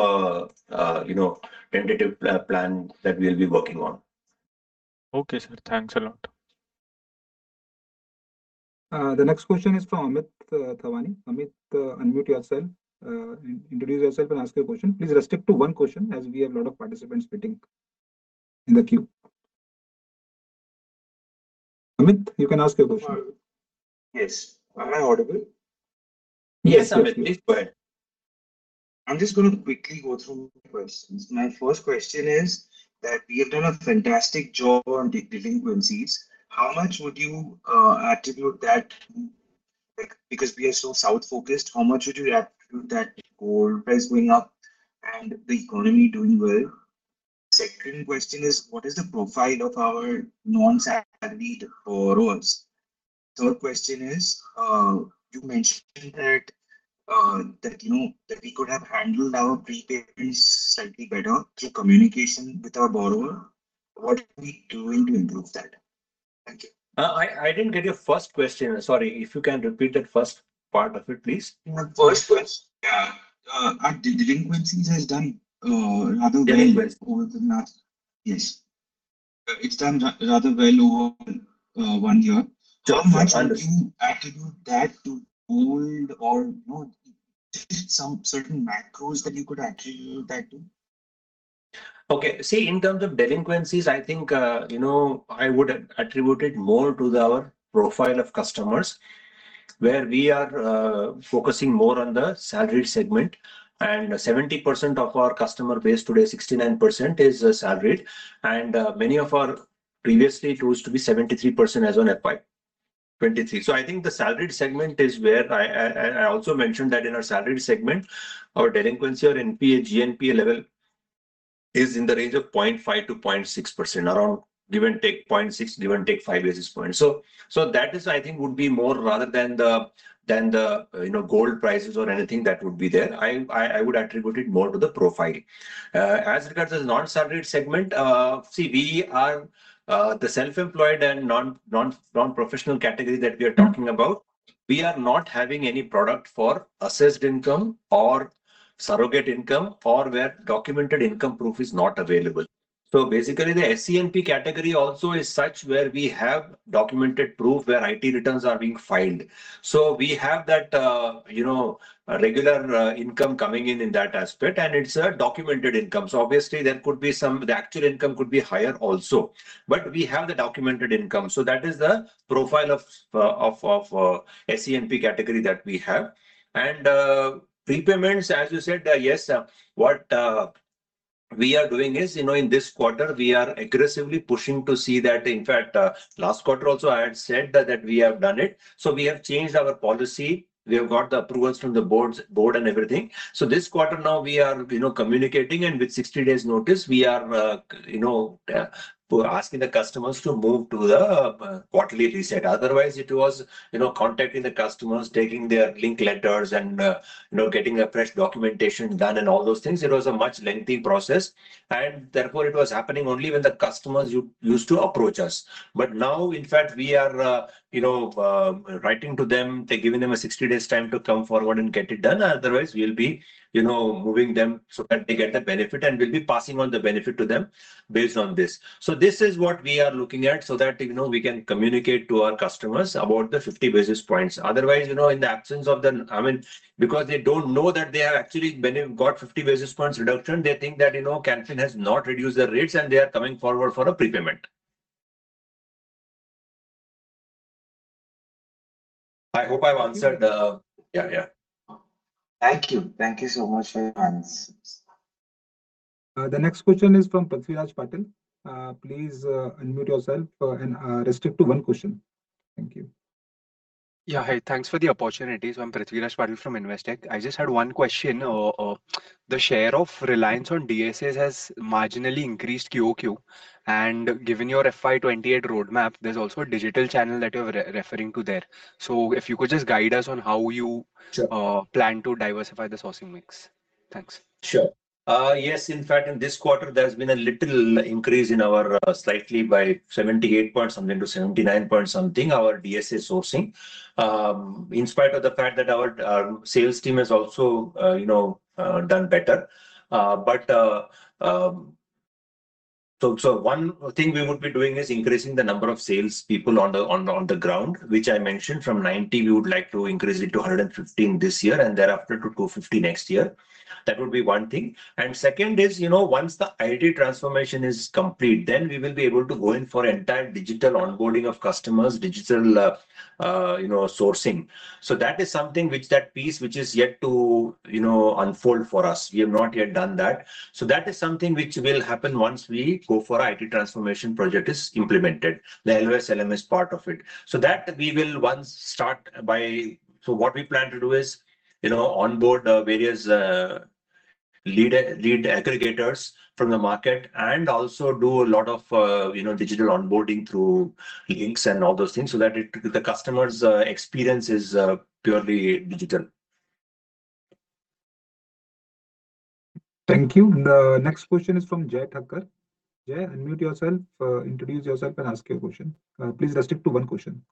tentative plan that we will be working on. Okay, sir. Thanks a lot. The next question is from Amit Thawani. Amit, unmute yourself, introduce yourself, and ask your question. Please restrict to one question as we have a lot of participants waiting in the queue. Amit, you can ask your question. Yes. Am I audible? Yes, Amit. Please go ahead. I'm just going to quickly go through questions. My first question is that we have done a fantastic job on delinquencies. How much would you attribute that? Because we are so south-focused, how much would you attribute that? Gold price going up and the economy doing well. Second question is, what is the profile of our non-salaried borrowers? Third question is, you mentioned that we could have handled our prepayments slightly better through communication with our borrower. What are we doing to improve that? Thank you. I didn't get your first question. Sorry. If you can repeat that first part of it, please. First question. Yeah. Delinquencies has done rather well over the last. Yes. It's done rather well over one year. How much would you attribute that to gold or some certain macros that you could attribute that to? Okay. See, in terms of delinquencies, I think I would attribute it more to our profile of customers, where we are focusing more on the salaried segment. And 70% of our customer base today, 69% is salaried. And many of our previously chose to be 73% as on FY 2023. So I think the salaried segment is where I also mentioned that in our salaried segment, our delinquency or NPA, GNPA level is in the range of 0.5%-0.6%, around give and take 0.6%, give and take 5 basis points. So that is, I think, would be more rather than the gold prices or anything that would be there. I would attribute it more to the profile. As regards to the non-salaried segment, see, we are the self-employed and non-professional category that we are talking about. We are not having any product for assessed income or surrogate income or where documented income proof is not available. So basically, the SENP category also is such where we have documented proof where IT returns are being filed. So we have that regular income coming in in that aspect, and it's a documented income. So obviously, there could be some the actual income could be higher also. But we have the documented income. So that is the profile of SENP category that we have. And prepayments, as you said, yes, what we are doing is in this quarter, we are aggressively pushing to see that. In fact, last quarter also, I had said that we have done it. So we have changed our policy. We have got the approvals from the board and everything. So this quarter now, we are communicating, and with 60 days notice, we are asking the customers to move to the quarterly reset. Otherwise, it was contacting the customers, taking their link letters, and getting a fresh documentation done and all those things. It was a much lengthy process. And therefore, it was happening only when the customers used to approach us. But now, in fact, we are writing to them. They're giving them a 60 days time to come forward and get it done. Otherwise, we'll be moving them so that they get the benefit and we'll be passing on the benefit to them based on this. So this is what we are looking at so that we can communicate to our customers about the 50 basis points. Otherwise, in the absence of the, I mean, because they don't know that they have actually got 50 basis points reduction, they think that Can Fin has not reduced the rates, and they are coming forward for a prepayment. I hope I've answered the, yeah, yeah. Thank you. Thank you so much for your answers. The next question is from Prithviraj Patil. Please unmute yourself and restrict to one question. Thank you. Yeah, hey, thanks for the opportunity. So I'm Prithviraj Patil from Investec. I just had one question. The share of reliance on DSAs has marginally increased QoQ. And given your FY 2028 roadmap, there's also a digital channel that you're referring to there. So if you could just guide us on how you plan to diversify the sourcing mix. Thanks. Sure. Yes, in fact, in this quarter, there has been a little increase in our DSA sourcing slightly by 78 basis points something to 79 basis points something. In spite of the fact that our sales team has also done better, but so one thing we would be doing is increasing the number of salespeople on the ground, which I mentioned from 90, we would like to increase it to 115 this year and thereafter to 250 next year. That would be one thing. And second is, once the IT transformation is complete, then we will be able to go in for entire digital onboarding of customers, digital sourcing. So that is something which that piece which is yet to unfold for us. We have not yet done that. So that is something which will happen once we go for our IT transformation project is implemented, the LOS, LMS part of it. So, what we plan to do is onboard various lead aggregators from the market and also do a lot of digital onboarding through links and all those things so that the customer's experience is purely digital. Thank you. The next question is from Jay Thakkar. Jay, unmute yourself, introduce yourself, and ask your question. Please restrict to one question.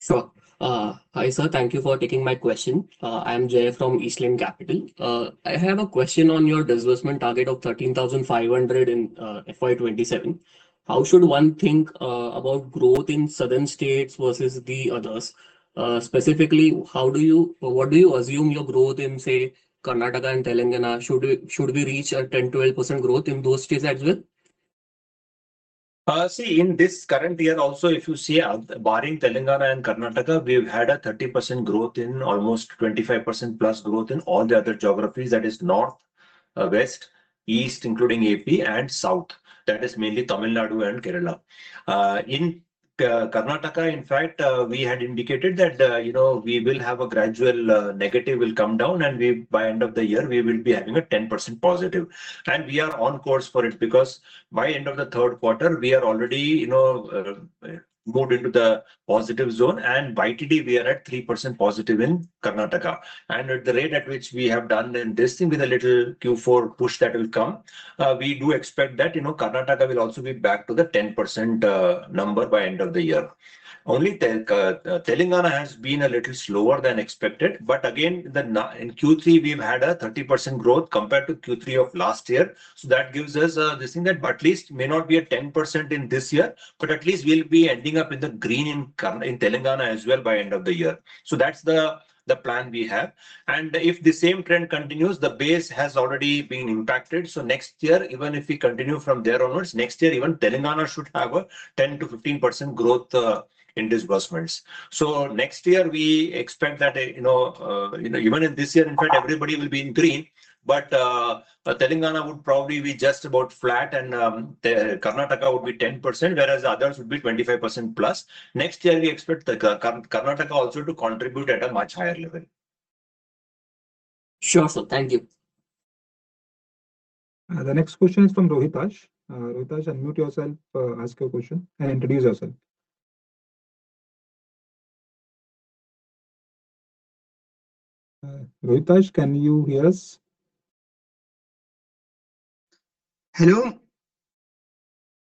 Sure. Hi sir, thank you for taking my question. I am Jay from East Lane Capital. I have a question on your disbursement target of 13,500 crores in FY 2027. How should one think about growth in southern states versus the others? Specifically, what do you assume your growth in, say, Karnataka and Telangana should we reach a 10%-12% growth in those states as well? See, in this current year, also, if you see barring Telangana and Karnataka, we've had a 30% growth in almost 25%+ growth in all the other geographies that is north, west, east, including AP and south. That is mainly Tamil Nadu and Kerala. In Karnataka, in fact, we had indicated that we will have a gradual negative will come down, and by end of the year, we will be having a 10%+, and we are on course for it because by end of the third quarter, we are already moved into the positive zone, and by today, we are at 3%+ in Karnataka, and at the rate at which we have done in this thing with a little Q4 push that will come, we do expect that Karnataka will also be back to the 10% number by end of the year. Only Telangana has been a little slower than expected, but again, in Q3, we've had a 30% growth compared to Q3 of last year, so that gives us this thing that at least may not be a 10% in this year, but at least we'll be ending up in the green in Telangana as well by end of the year, so that's the plan we have, and if the same trend continues, the base has already been impacted, so next year, even if we continue from there onwards, next year, even Telangana should have a 10%-15% growth in disbursements, so next year, we expect that even in this year, in fact, everybody will be in green, but Telangana would probably be just about flat and Karnataka would be 10%, whereas others would be 25%+. Next year, we expect Karnataka also to contribute at a much higher level. Sure, sir. Thank you. The next question is from Rohitash. Rohitash, unmute yourself, ask your question, and introduce yourself. Rohitash, can you hear us? Hello?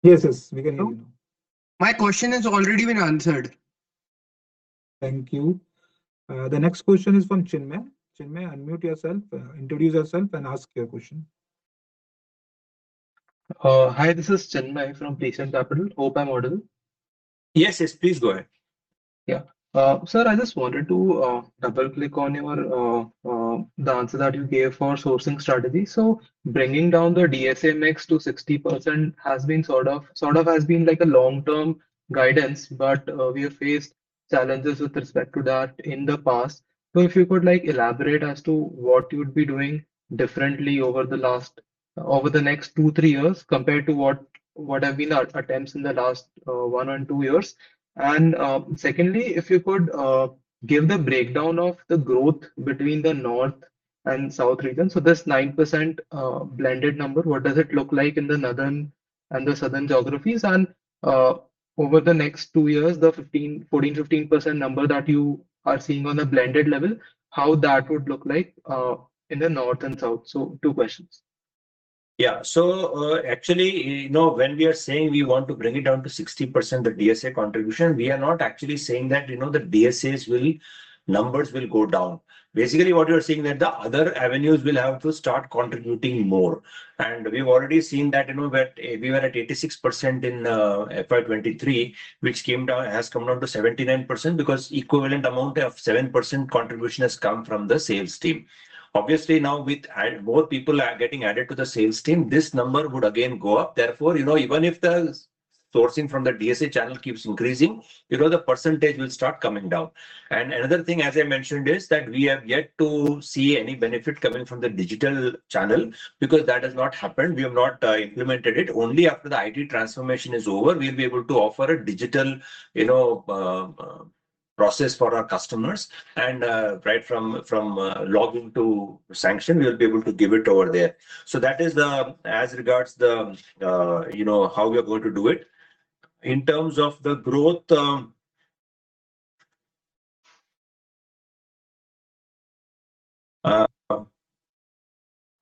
Yes, yes. We can hear you now. My question has already been answered. Thank you. The next question is from Chinmay. Chinmay, unmute yourself, introduce yourself, and ask your question. Hi, this is Chinmay from Prithviraj Capital. Hope I'm audible? Yes, yes. Please go ahead. Yeah. Sir, I just wanted to double-click on the answer that you gave for sourcing strategy. So bringing down the DSA mix to 60% has been sort of like a long-term guidance, but we have faced challenges with respect to that in the past. So if you could elaborate as to what you would be doing differently over the next two, three years compared to what have been our attempts in the last one or two years. Secondly, if you could give the breakdown of the growth between the north and south regions. So this 9% blended number, what does it look like in the northern and the southern geographies? And over the next two years, the 14%-15% number that you are seeing on the blended level, how that would look like in the north and south? So two questions. Yeah. So actually, when we are saying we want to bring it down to 60%, the DSA contribution, we are not actually saying that the DSAs numbers will go down. Basically, what you are seeing that the other avenues will have to start contributing more. And we've already seen that we were at 86% in FY 2023, which has come down to 79% because equivalent amount of 7% contribution has come from the sales team. Obviously, now with more people getting added to the sales team, this number would again go up. Therefore, even if the sourcing from the DSA channel keeps increasing, the percentage will start coming down. And another thing, as I mentioned, is that we have yet to see any benefit coming from the digital channel because that has not happened. We have not implemented it. Only after the IT transformation is over, we'll be able to offer a digital process for our customers. And right from logging to sanction, we'll be able to give it over there. So that is as regards to how we are going to do it. In terms of the growth,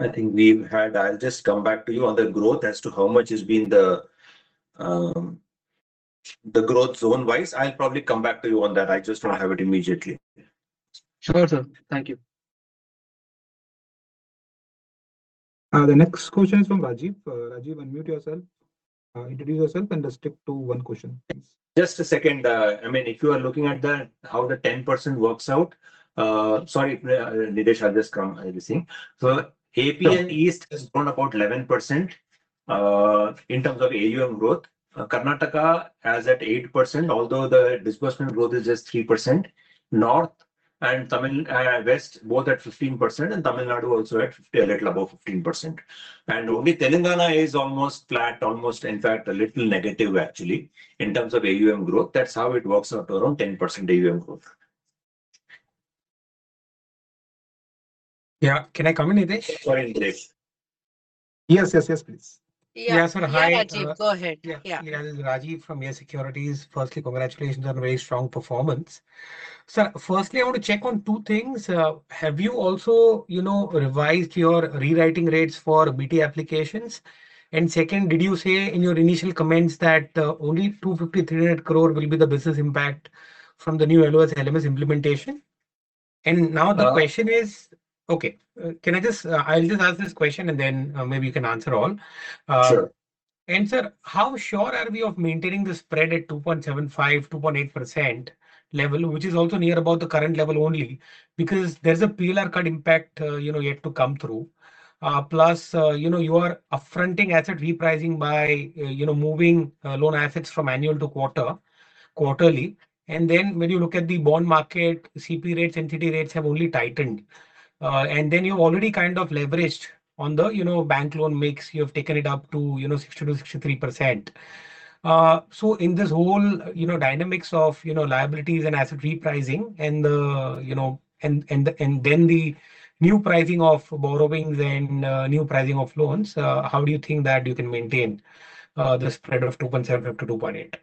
I think we've had, I'll just come back to you on the growth as to how much has been the growth zone-wise. I'll probably come back to you on that. I just don't have it immediately. Sure, sir. Thank you. The next question is from Rajiv. Rajiv, unmute yourself, introduce yourself, and restrict to one question, please. Just a second. I mean, if you are looking at how the 10% works out, sorry, Nidesh, I'll just cover everything. So AP and East has grown about 11% in terms of AUM growth. Karnataka has at 8%, although the disbursement growth is just 3%. North and West, both at 15%, and Tamil Nadu also at a little above 15%. And only Telangana is almost flat, almost in fact a little negative actually in terms of AUM growth. That's how it works out around 10% AUM growth. Yeah, can I come in, Nidesh? Sorry, Nidesh. Yes, yes, yes, please. Yeah, sir. Hi, Rajiv. Go ahead. Yeah. Rajiv from Antique Stock Broking, firstly, congratulations on very strong performance. Sir, firstly, I want to check on two things. Have you also revised your rewriting rates for BT applications? And second, did you say in your initial comments that only 250 crore-300 crore will be the business impact from the new LOS, LMS implementation? And now the question is, okay, can I just, I'll just ask this question and then maybe you can answer all. Sure. And sir, how sure are we of maintaining the spread at 2.75%-2.8% level, which is also near about the current level only because there's a PLR cut impact yet to come through? Plus, you are affecting asset repricing by moving loan assets from annual to quarterly. And then when you look at the bond market, CP rates, NCD rates have only tightened. And then you've already kind of leveraged on the bank loan mix. You have taken it up to 62-63%. So in this whole dynamics of liabilities and asset repricing and then the new pricing of borrowings and new pricing of loans, how do you think that you can maintain the spread of 2.75%-2.8%?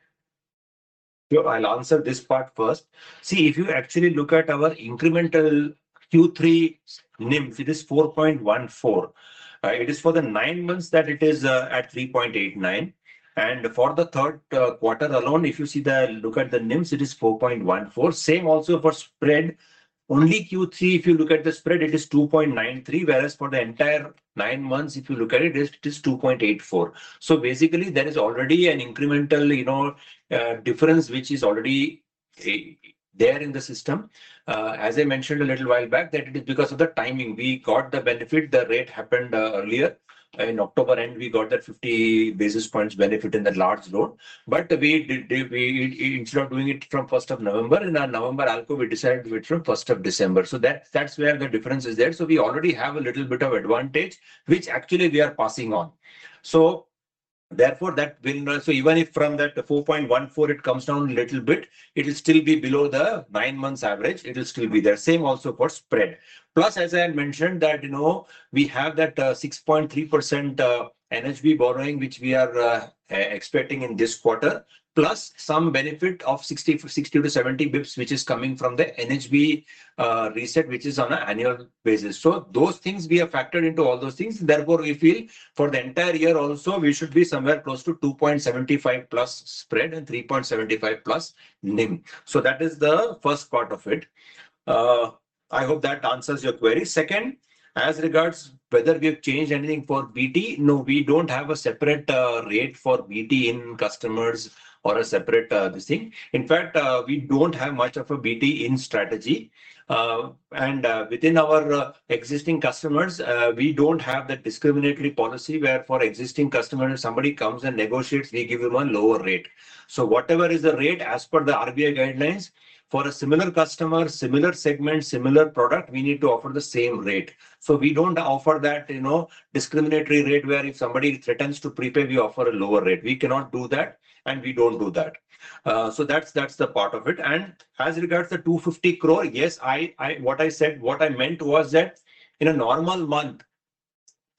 Sure, I'll answer this part first. See, if you actually look at our incremental Q3 NIMs, it is 4.14. It is for the nine months that it is at 3.89. And for the third quarter alone, if you see the look at the NIMs, it is 4.14. Same also for spread. Only Q3, if you look at the spread, it is 2.93, whereas for the entire nine months, if you look at it, it is 2.84. So basically, there is already an incremental difference which is already there in the system. As I mentioned a little while back, that it is because of the timing. We got the benefit. The rate happened earlier in October, and we got that 50 basis points benefit in the large loan. But instead of doing it from 1st of November, in our November ALCO, we decided to do it from 1st of December. So that's where the difference is there. So we already have a little bit of advantage, which actually we are passing on. So therefore, that will, so even if from that 4.14, it comes down a little bit, it will still be below the nine months average. It will still be there. Same also for spread. Plus, as I had mentioned that we have that 6.3% NHB borrowing, which we are expecting in this quarter, plus some benefit of 60 bps-70 bps, which is coming from the NHB reset, which is on an annual basis. So those things we have factored into all those things. Therefore, we feel for the entire year also, we should be somewhere close to 2.75+ spread and 3.75+ NIM. So that is the first part of it. I hope that answers your query. Second, as regards whether we have changed anything for BT, no, we don't have a separate rate for BT in customers or a separate this thing. In fact, we don't have much of a BT in strategy. And within our existing customers, we don't have that discriminatory policy where for existing customers, if somebody comes and negotiates, we give them a lower rate. So whatever is the rate, as per the RBI guidelines, for a similar customer, similar segment, similar product, we need to offer the same rate. So we don't offer that discriminatory rate where if somebody threatens to prepay, we offer a lower rate. We cannot do that, and we don't do that. So that's the part of it. And as regards the 250 crore, yes, what I said, what I meant was that in a normal month,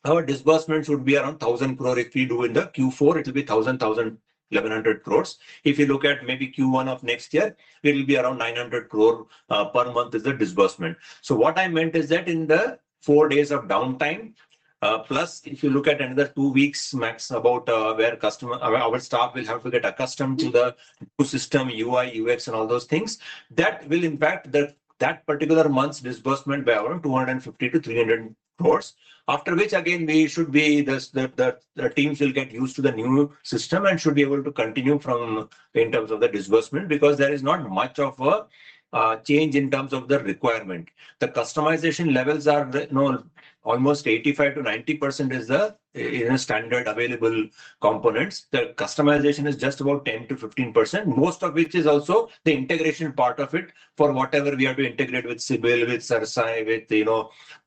our disbursement should be around 1,000 crore. If we do in the Q4, it will be 1,000 crore, INR 1,000 crore, 1,100 crores. If you look at maybe Q1 of next year, it will be around 900 crore per month is the disbursement. So what I meant is that in the four days of downtime, plus if you look at another two weeks max about where our staff will have to get accustomed to the new system, UI, UX, and all those things, that will impact that particular month's disbursement by around 250 crores-300 crores, after which, again, we should be the teams will get used to the new system and should be able to continue from in terms of the disbursement because there is not much of a change in terms of the requirement. The customization levels are almost 85%-90% is the standard available components. The customization is just about 10%-15%, most of which is also the integration part of it for whatever we are to integrate with CIBIL, with CERSAI, with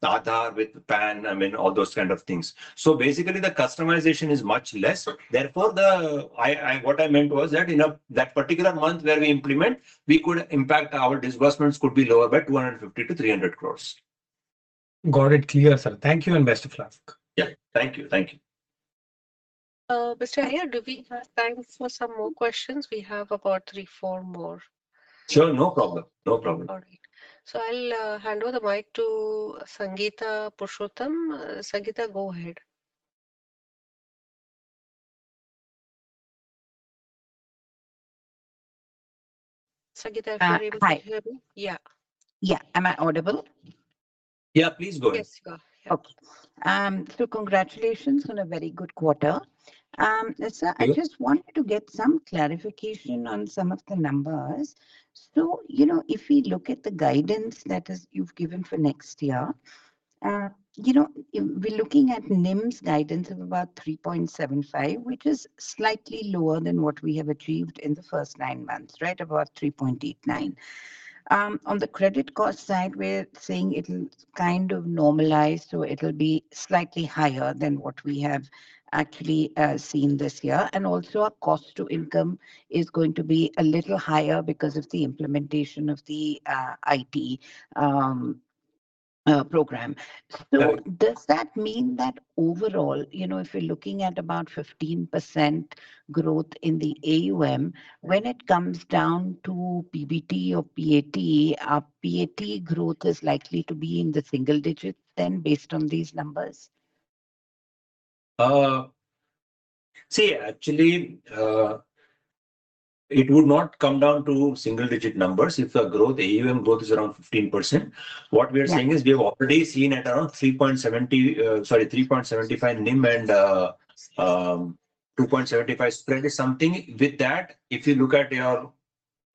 Aadhaar, with PAN, I mean, all those kind of things. So basically, the customization is much less. Therefore, what I meant was that in that particular month where we implement, we could impact our disbursements could be lower by 250 crores-300 crores. Got it clear, sir. Thank you and best of luck. Yeah, thank you. Thank you. Mr. Iyer, do we have time for some more questions? We have about three, four more. Sure, no problem. No problem. All right. So I'll hand over the mic to Sangeeta Purushottam. Sangeeta, go ahead. Sangeetha, if you're able to hear me? Yeah. Yeah. Am I audible? Yeah, please go ahead. Yes, you are. Okay. So congratulations on a very good quarter. Sir, I just wanted to get some clarification on some of the numbers. So if we look at the guidance that you've given for next year, we're looking at NIMs guidance of about 3.75, which is slightly lower than what we have achieved in the first nine months, right, about 3.89. On the credit cost side, we're saying it'll kind of normalize, so it'll be slightly higher than what we have actually seen this year. And also, our cost-to-income is going to be a little higher because of the implementation of the IT program. So does that mean that overall, if we're looking at about 15% growth in the AUM, when it comes down to PBT or PAT, our PAT growth is likely to be in the single-digit then based on these numbers? See, actually, it would not come down to single-digit numbers. If the AUM growth is around 15%, what we are seeing is we have already seen at around 3.75 NIM and 2.75 spread is something with that. If you look at your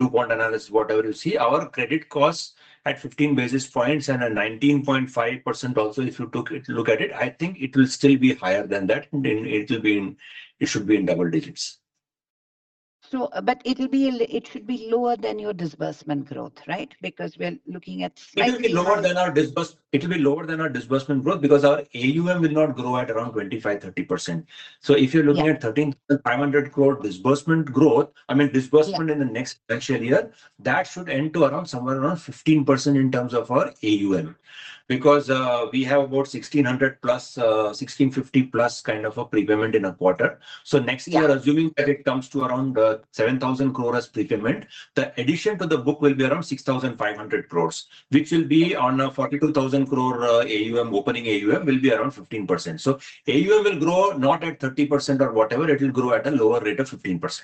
two-point analysis, whatever you see, our credit costs at 15 basis points and a 19.5% also, if you look at it, I think it will still be higher than that. It should be in double digits. But it should be lower than your disbursement growth, right? Because we're looking at. It will be lower than our disbursement growth because our AUM will not grow at around 25%-30%. So if you're looking at 13,500 crore disbursement growth, I mean, disbursement in the next financial year, that should end to somewhere around 15% in terms of our AUM because we have about 1650 plus kind of a prepayment in a quarter. So next year, assuming that it comes to around 7,000 crore as prepayment, the addition to the book will be around 6,500 crore, which will be on a 42,000 crore opening AUM, will be around 15%. So AUM will grow not at 30% or whatever. It will grow at a lower rate of 15%.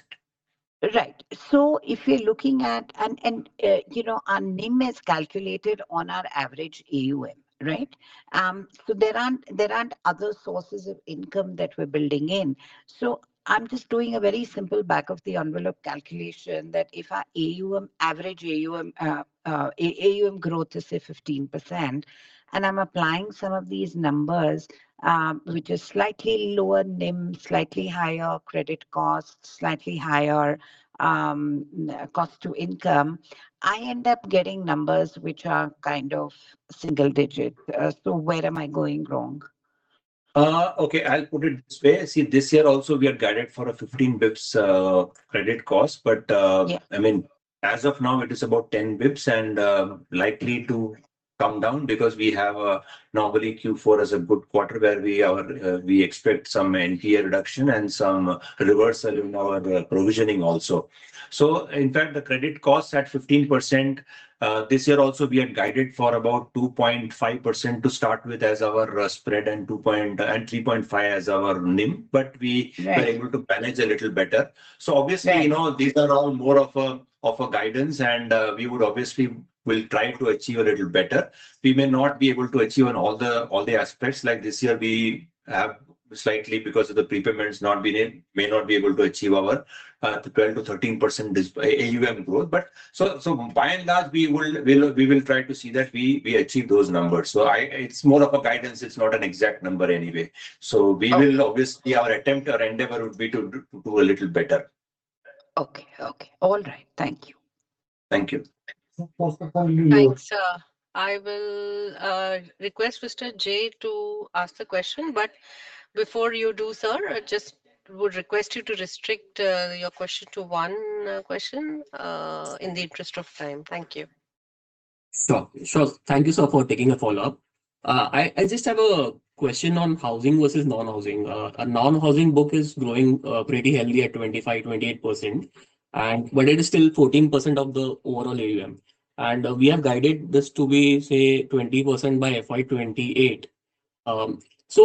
Right. So if we're looking at, and our NIM is calculated on our average AUM, right? So there aren't other sources of income that we're building in. So I'm just doing a very simple back-of-the-envelope calculation that if our average AUM growth is, say, 15%, and I'm applying some of these numbers, which are slightly lower NIM, slightly higher credit cost, slightly higher cost-to-income, I end up getting numbers which are kind of single-digit. So where am I going wrong? Okay, I'll put it this way. See, this year also, we are guided for a 15 bps credit cost. But I mean, as of now, it is about 10 bps and likely to come down because we have normally Q4 as a good quarter where we expect some NPA reduction and some reversal in our provisioning also. So in fact, the credit cost at 15% this year also, we are guided for about 2.5% to start with as our spread and 3.5% as our NIM. But we are able to manage a little better. So obviously, these are all more of a guidance, and we would obviously try to achieve a little better. We may not be able to achieve on all the aspects. Like this year, we have slightly because of the prepayments not been able, may not be able to achieve our 12%-13% AUM growth. But so by and large, we will try to see that we achieve those numbers. So it's more of a guidance. It's not an exact number anyway. So we will obviously, our attempt, our endeavor would be to do a little better. Okay. Okay. All right. Thank you. Thank you. Thanks, sir. I will request Mr. Jay to ask the question. But before you do, sir, I just would request you to restrict your question to one question in the interest of time. Thank you. Sure. Sure. Thank you, sir, for taking a follow-up. I just have a question on housing versus non-housing. A non-housing book is growing pretty heavily at 25%-28%, but it is still 14% of the overall AUM. And we have guided this to be, say, 20% by FY 2028.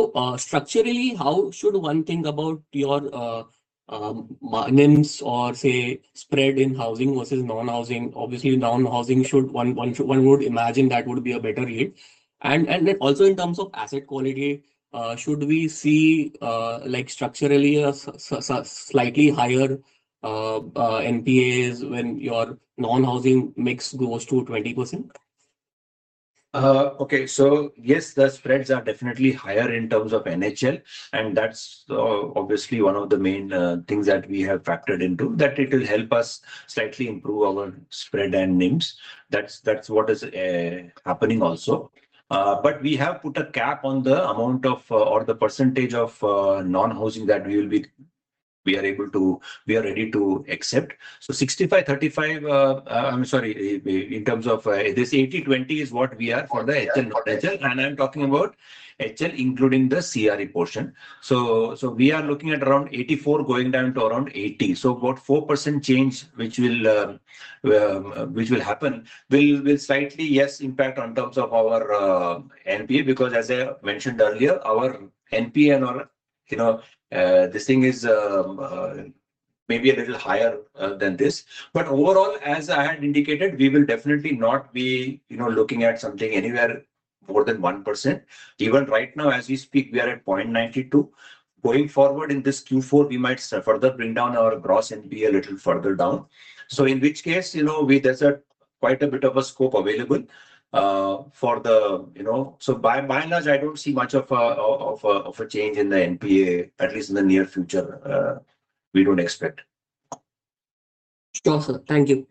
So structurally, how should one think about your NIMs or, say, spread in housing versus non-housing? Obviously, non-housing should, one would imagine that would be a better yield. And also in terms of asset quality, should we see structurally a slightly higher NPAs when your non-housing mix goes to 20%? Okay. So yes, the spreads are definitely higher in terms of NHL. And that's obviously one of the main things that we have factored into that it will help us slightly improve our spread and NIMs. That's what is happening also. But we have put a cap on the amount of or the percentage of non-housing that we will be, we are able to, we are ready to accept. So 65%-35%, I'm sorry, in terms of this 80%-20% is what we are for the HL, non-HL. And I'm talking about HL, including the CRE portion. So we are looking at around 84% going down to around 80%. So about 4% change, which will happen, will slightly, yes, impact in terms of our NPA because, as I mentioned earlier, our NPA and our, this thing is maybe a little higher than this. But overall, as I had indicated, we will definitely not be looking at something anywhere more than 1%. Even right now, as we speak, we are at 0.92. Going forward in this Q4, we might further bring down our gross NPA a little further down. So in which case, there's quite a bit of a scope available for the, so by and large, I don't see much of a change in the NPA, at least in the near future, we don't expect. Sure, sir. Thank you.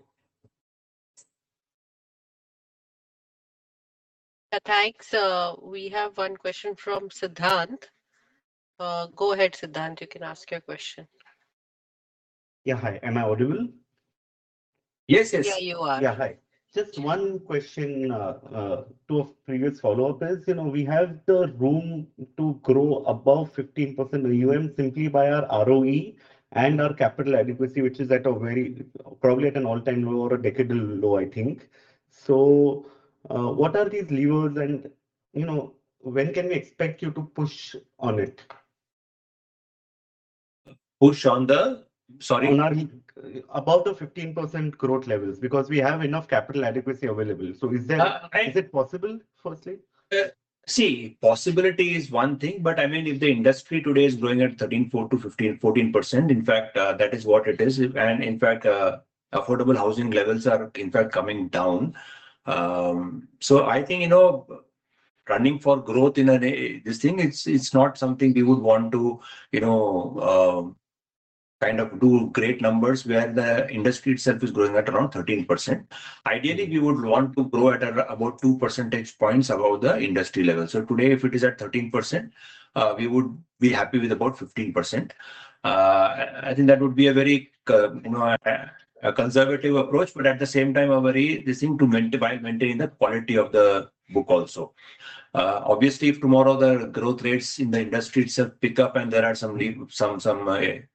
Thanks. We have one question from Siddharth. Go ahead, Siddharth. You can ask your question. Yeah. Hi. Am I audible? Yes, yes. Yeah, you are. Yeah. Hi. Just one question to a previous follow-up is we have the room to grow above 15% AUM simply by our ROE and our capital adequacy, which is at a very, probably at an all-time low or a decade-low low, I think. So what are these levers and when can we expect you to push on it? Push on the, sorry? On our above the 15% growth levels because we have enough capital adequacy available. So is it possible, firstly? See, possibility is one thing, but I mean, if the industry today is growing at 13%-14% to 15%-14%, in fact, that is what it is. And in fact, affordable housing levels are in fact coming down. So I think running for growth in this thing, it's not something we would want to kind of do great numbers where the industry itself is growing at around 13%. Ideally, we would want to grow at about 2 percentage points above the industry level. So today, if it is at 13%, we would be happy with about 15%. I think that would be a very conservative approach, but at the same time, this thing to maintain the quality of the book also. Obviously, if tomorrow the growth rates in the industry itself pick up and there are some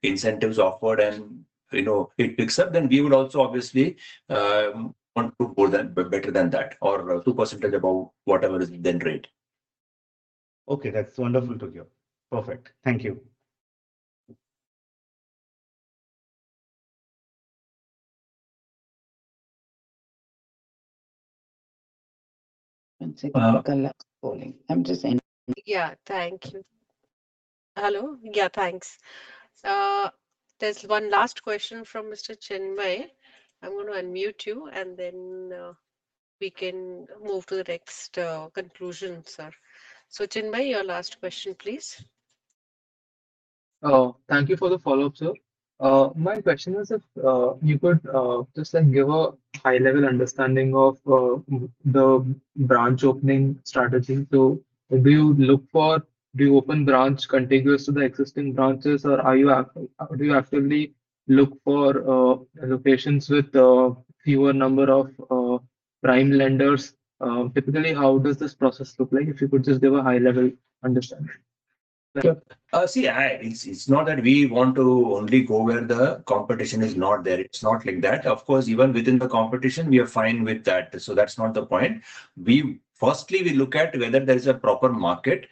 incentives offered and it picks up, then we would also obviously want to go better than that or 2% above whatever is the rate. Okay. That's wonderful to hear. Perfect. Thank you. One second. I'm just in. Yeah. Thank you. Hello? Yeah. Thanks. There's one last question from Mr. Chinmay. I'm going to unmute you, and then we can move to the next conclusion, sir. So Chinmay, your last question, please. Thank you for the follow-up, sir. My question is if you could just give a high-level understanding of the branch opening strategy. So do you look for, do you open branch contiguous to the existing branches, or do you actively look for locations with a fewer number of prime lenders? Typically, how does this process look like if you could just give a high-level understanding? See, it's not that we want to only go where the competition is not there. It's not like that. Of course, even within the competition, we are fine with that. So that's not the point. Firstly, we look at whether there is a proper market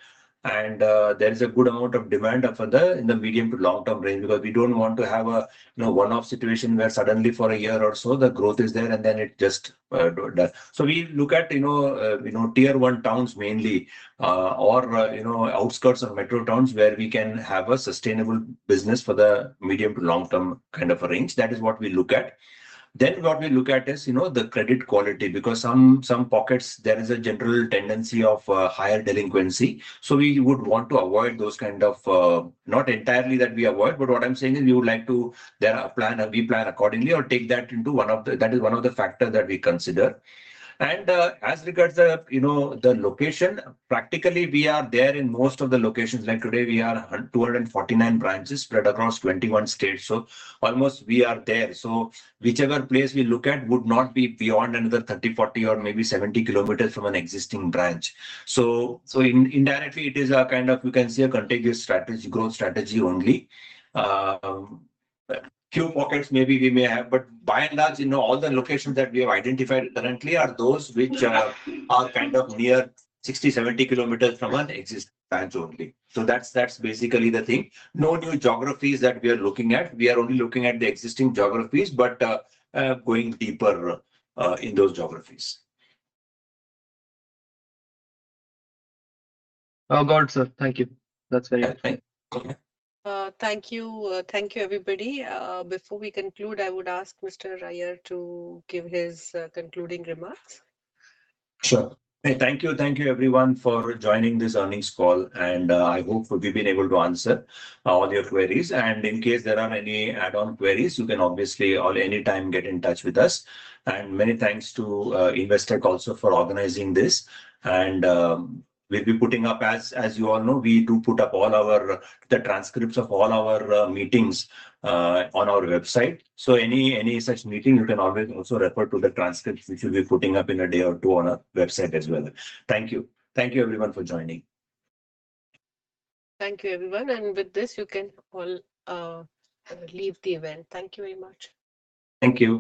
and there is a good amount of demand for the medium to long-term range because we don't want to have a one-off situation where suddenly for a year or so, the growth is there and then it just does. We look at tier-one towns mainly or outskirts or metro towns where we can have a sustainable business for the medium to long-term kind of a range. That is what we look at. Then what we look at is the credit quality because some pockets, there is a general tendency of higher delinquency. So we would want to avoid those kind of, not entirely that we avoid, but what I'm saying is we would like to plan accordingly or take that into one of the, that is one of the factors that we consider. And as regards the location, practically, we are there in most of the locations. Like today, we are 249 branches spread across 21 states. So almost we are there. So whichever place we look at would not be beyond another 30 km, 40 km, or maybe 70 km from an existing branch. So indirectly, it is a kind of, you can see a contiguous growth strategy only. Few pockets maybe we may have, but by and large, all the locations that we have identified currently are those which are kind of near 60 km, 70 km from an existing branch only. So that's basically the thing. No new geographies that we are looking at. We are only looking at the existing geographies, but going deeper in those geographies. Got it, sir. Thank you. That's very good. Thank you. Thank you, everybody. Before we conclude, I would ask Mr. Iyer to give his concluding remarks. Sure. Thank you. Thank you, everyone, for joining this earnings call. And I hope we've been able to answer all your queries. And in case there are any add-on queries, you can obviously at any time get in touch with us. Many thanks to Investec also for organizing this. We'll be putting up, as you all know, we do put up all our transcripts of all our meetings on our website. So any such meeting, you can always also refer to the transcripts, which we'll be putting up in a day or two on our website as well. Thank you. Thank you, everyone, for joining. Thank you, everyone. With this, you can all leave the event. Thank you very much. Thank you.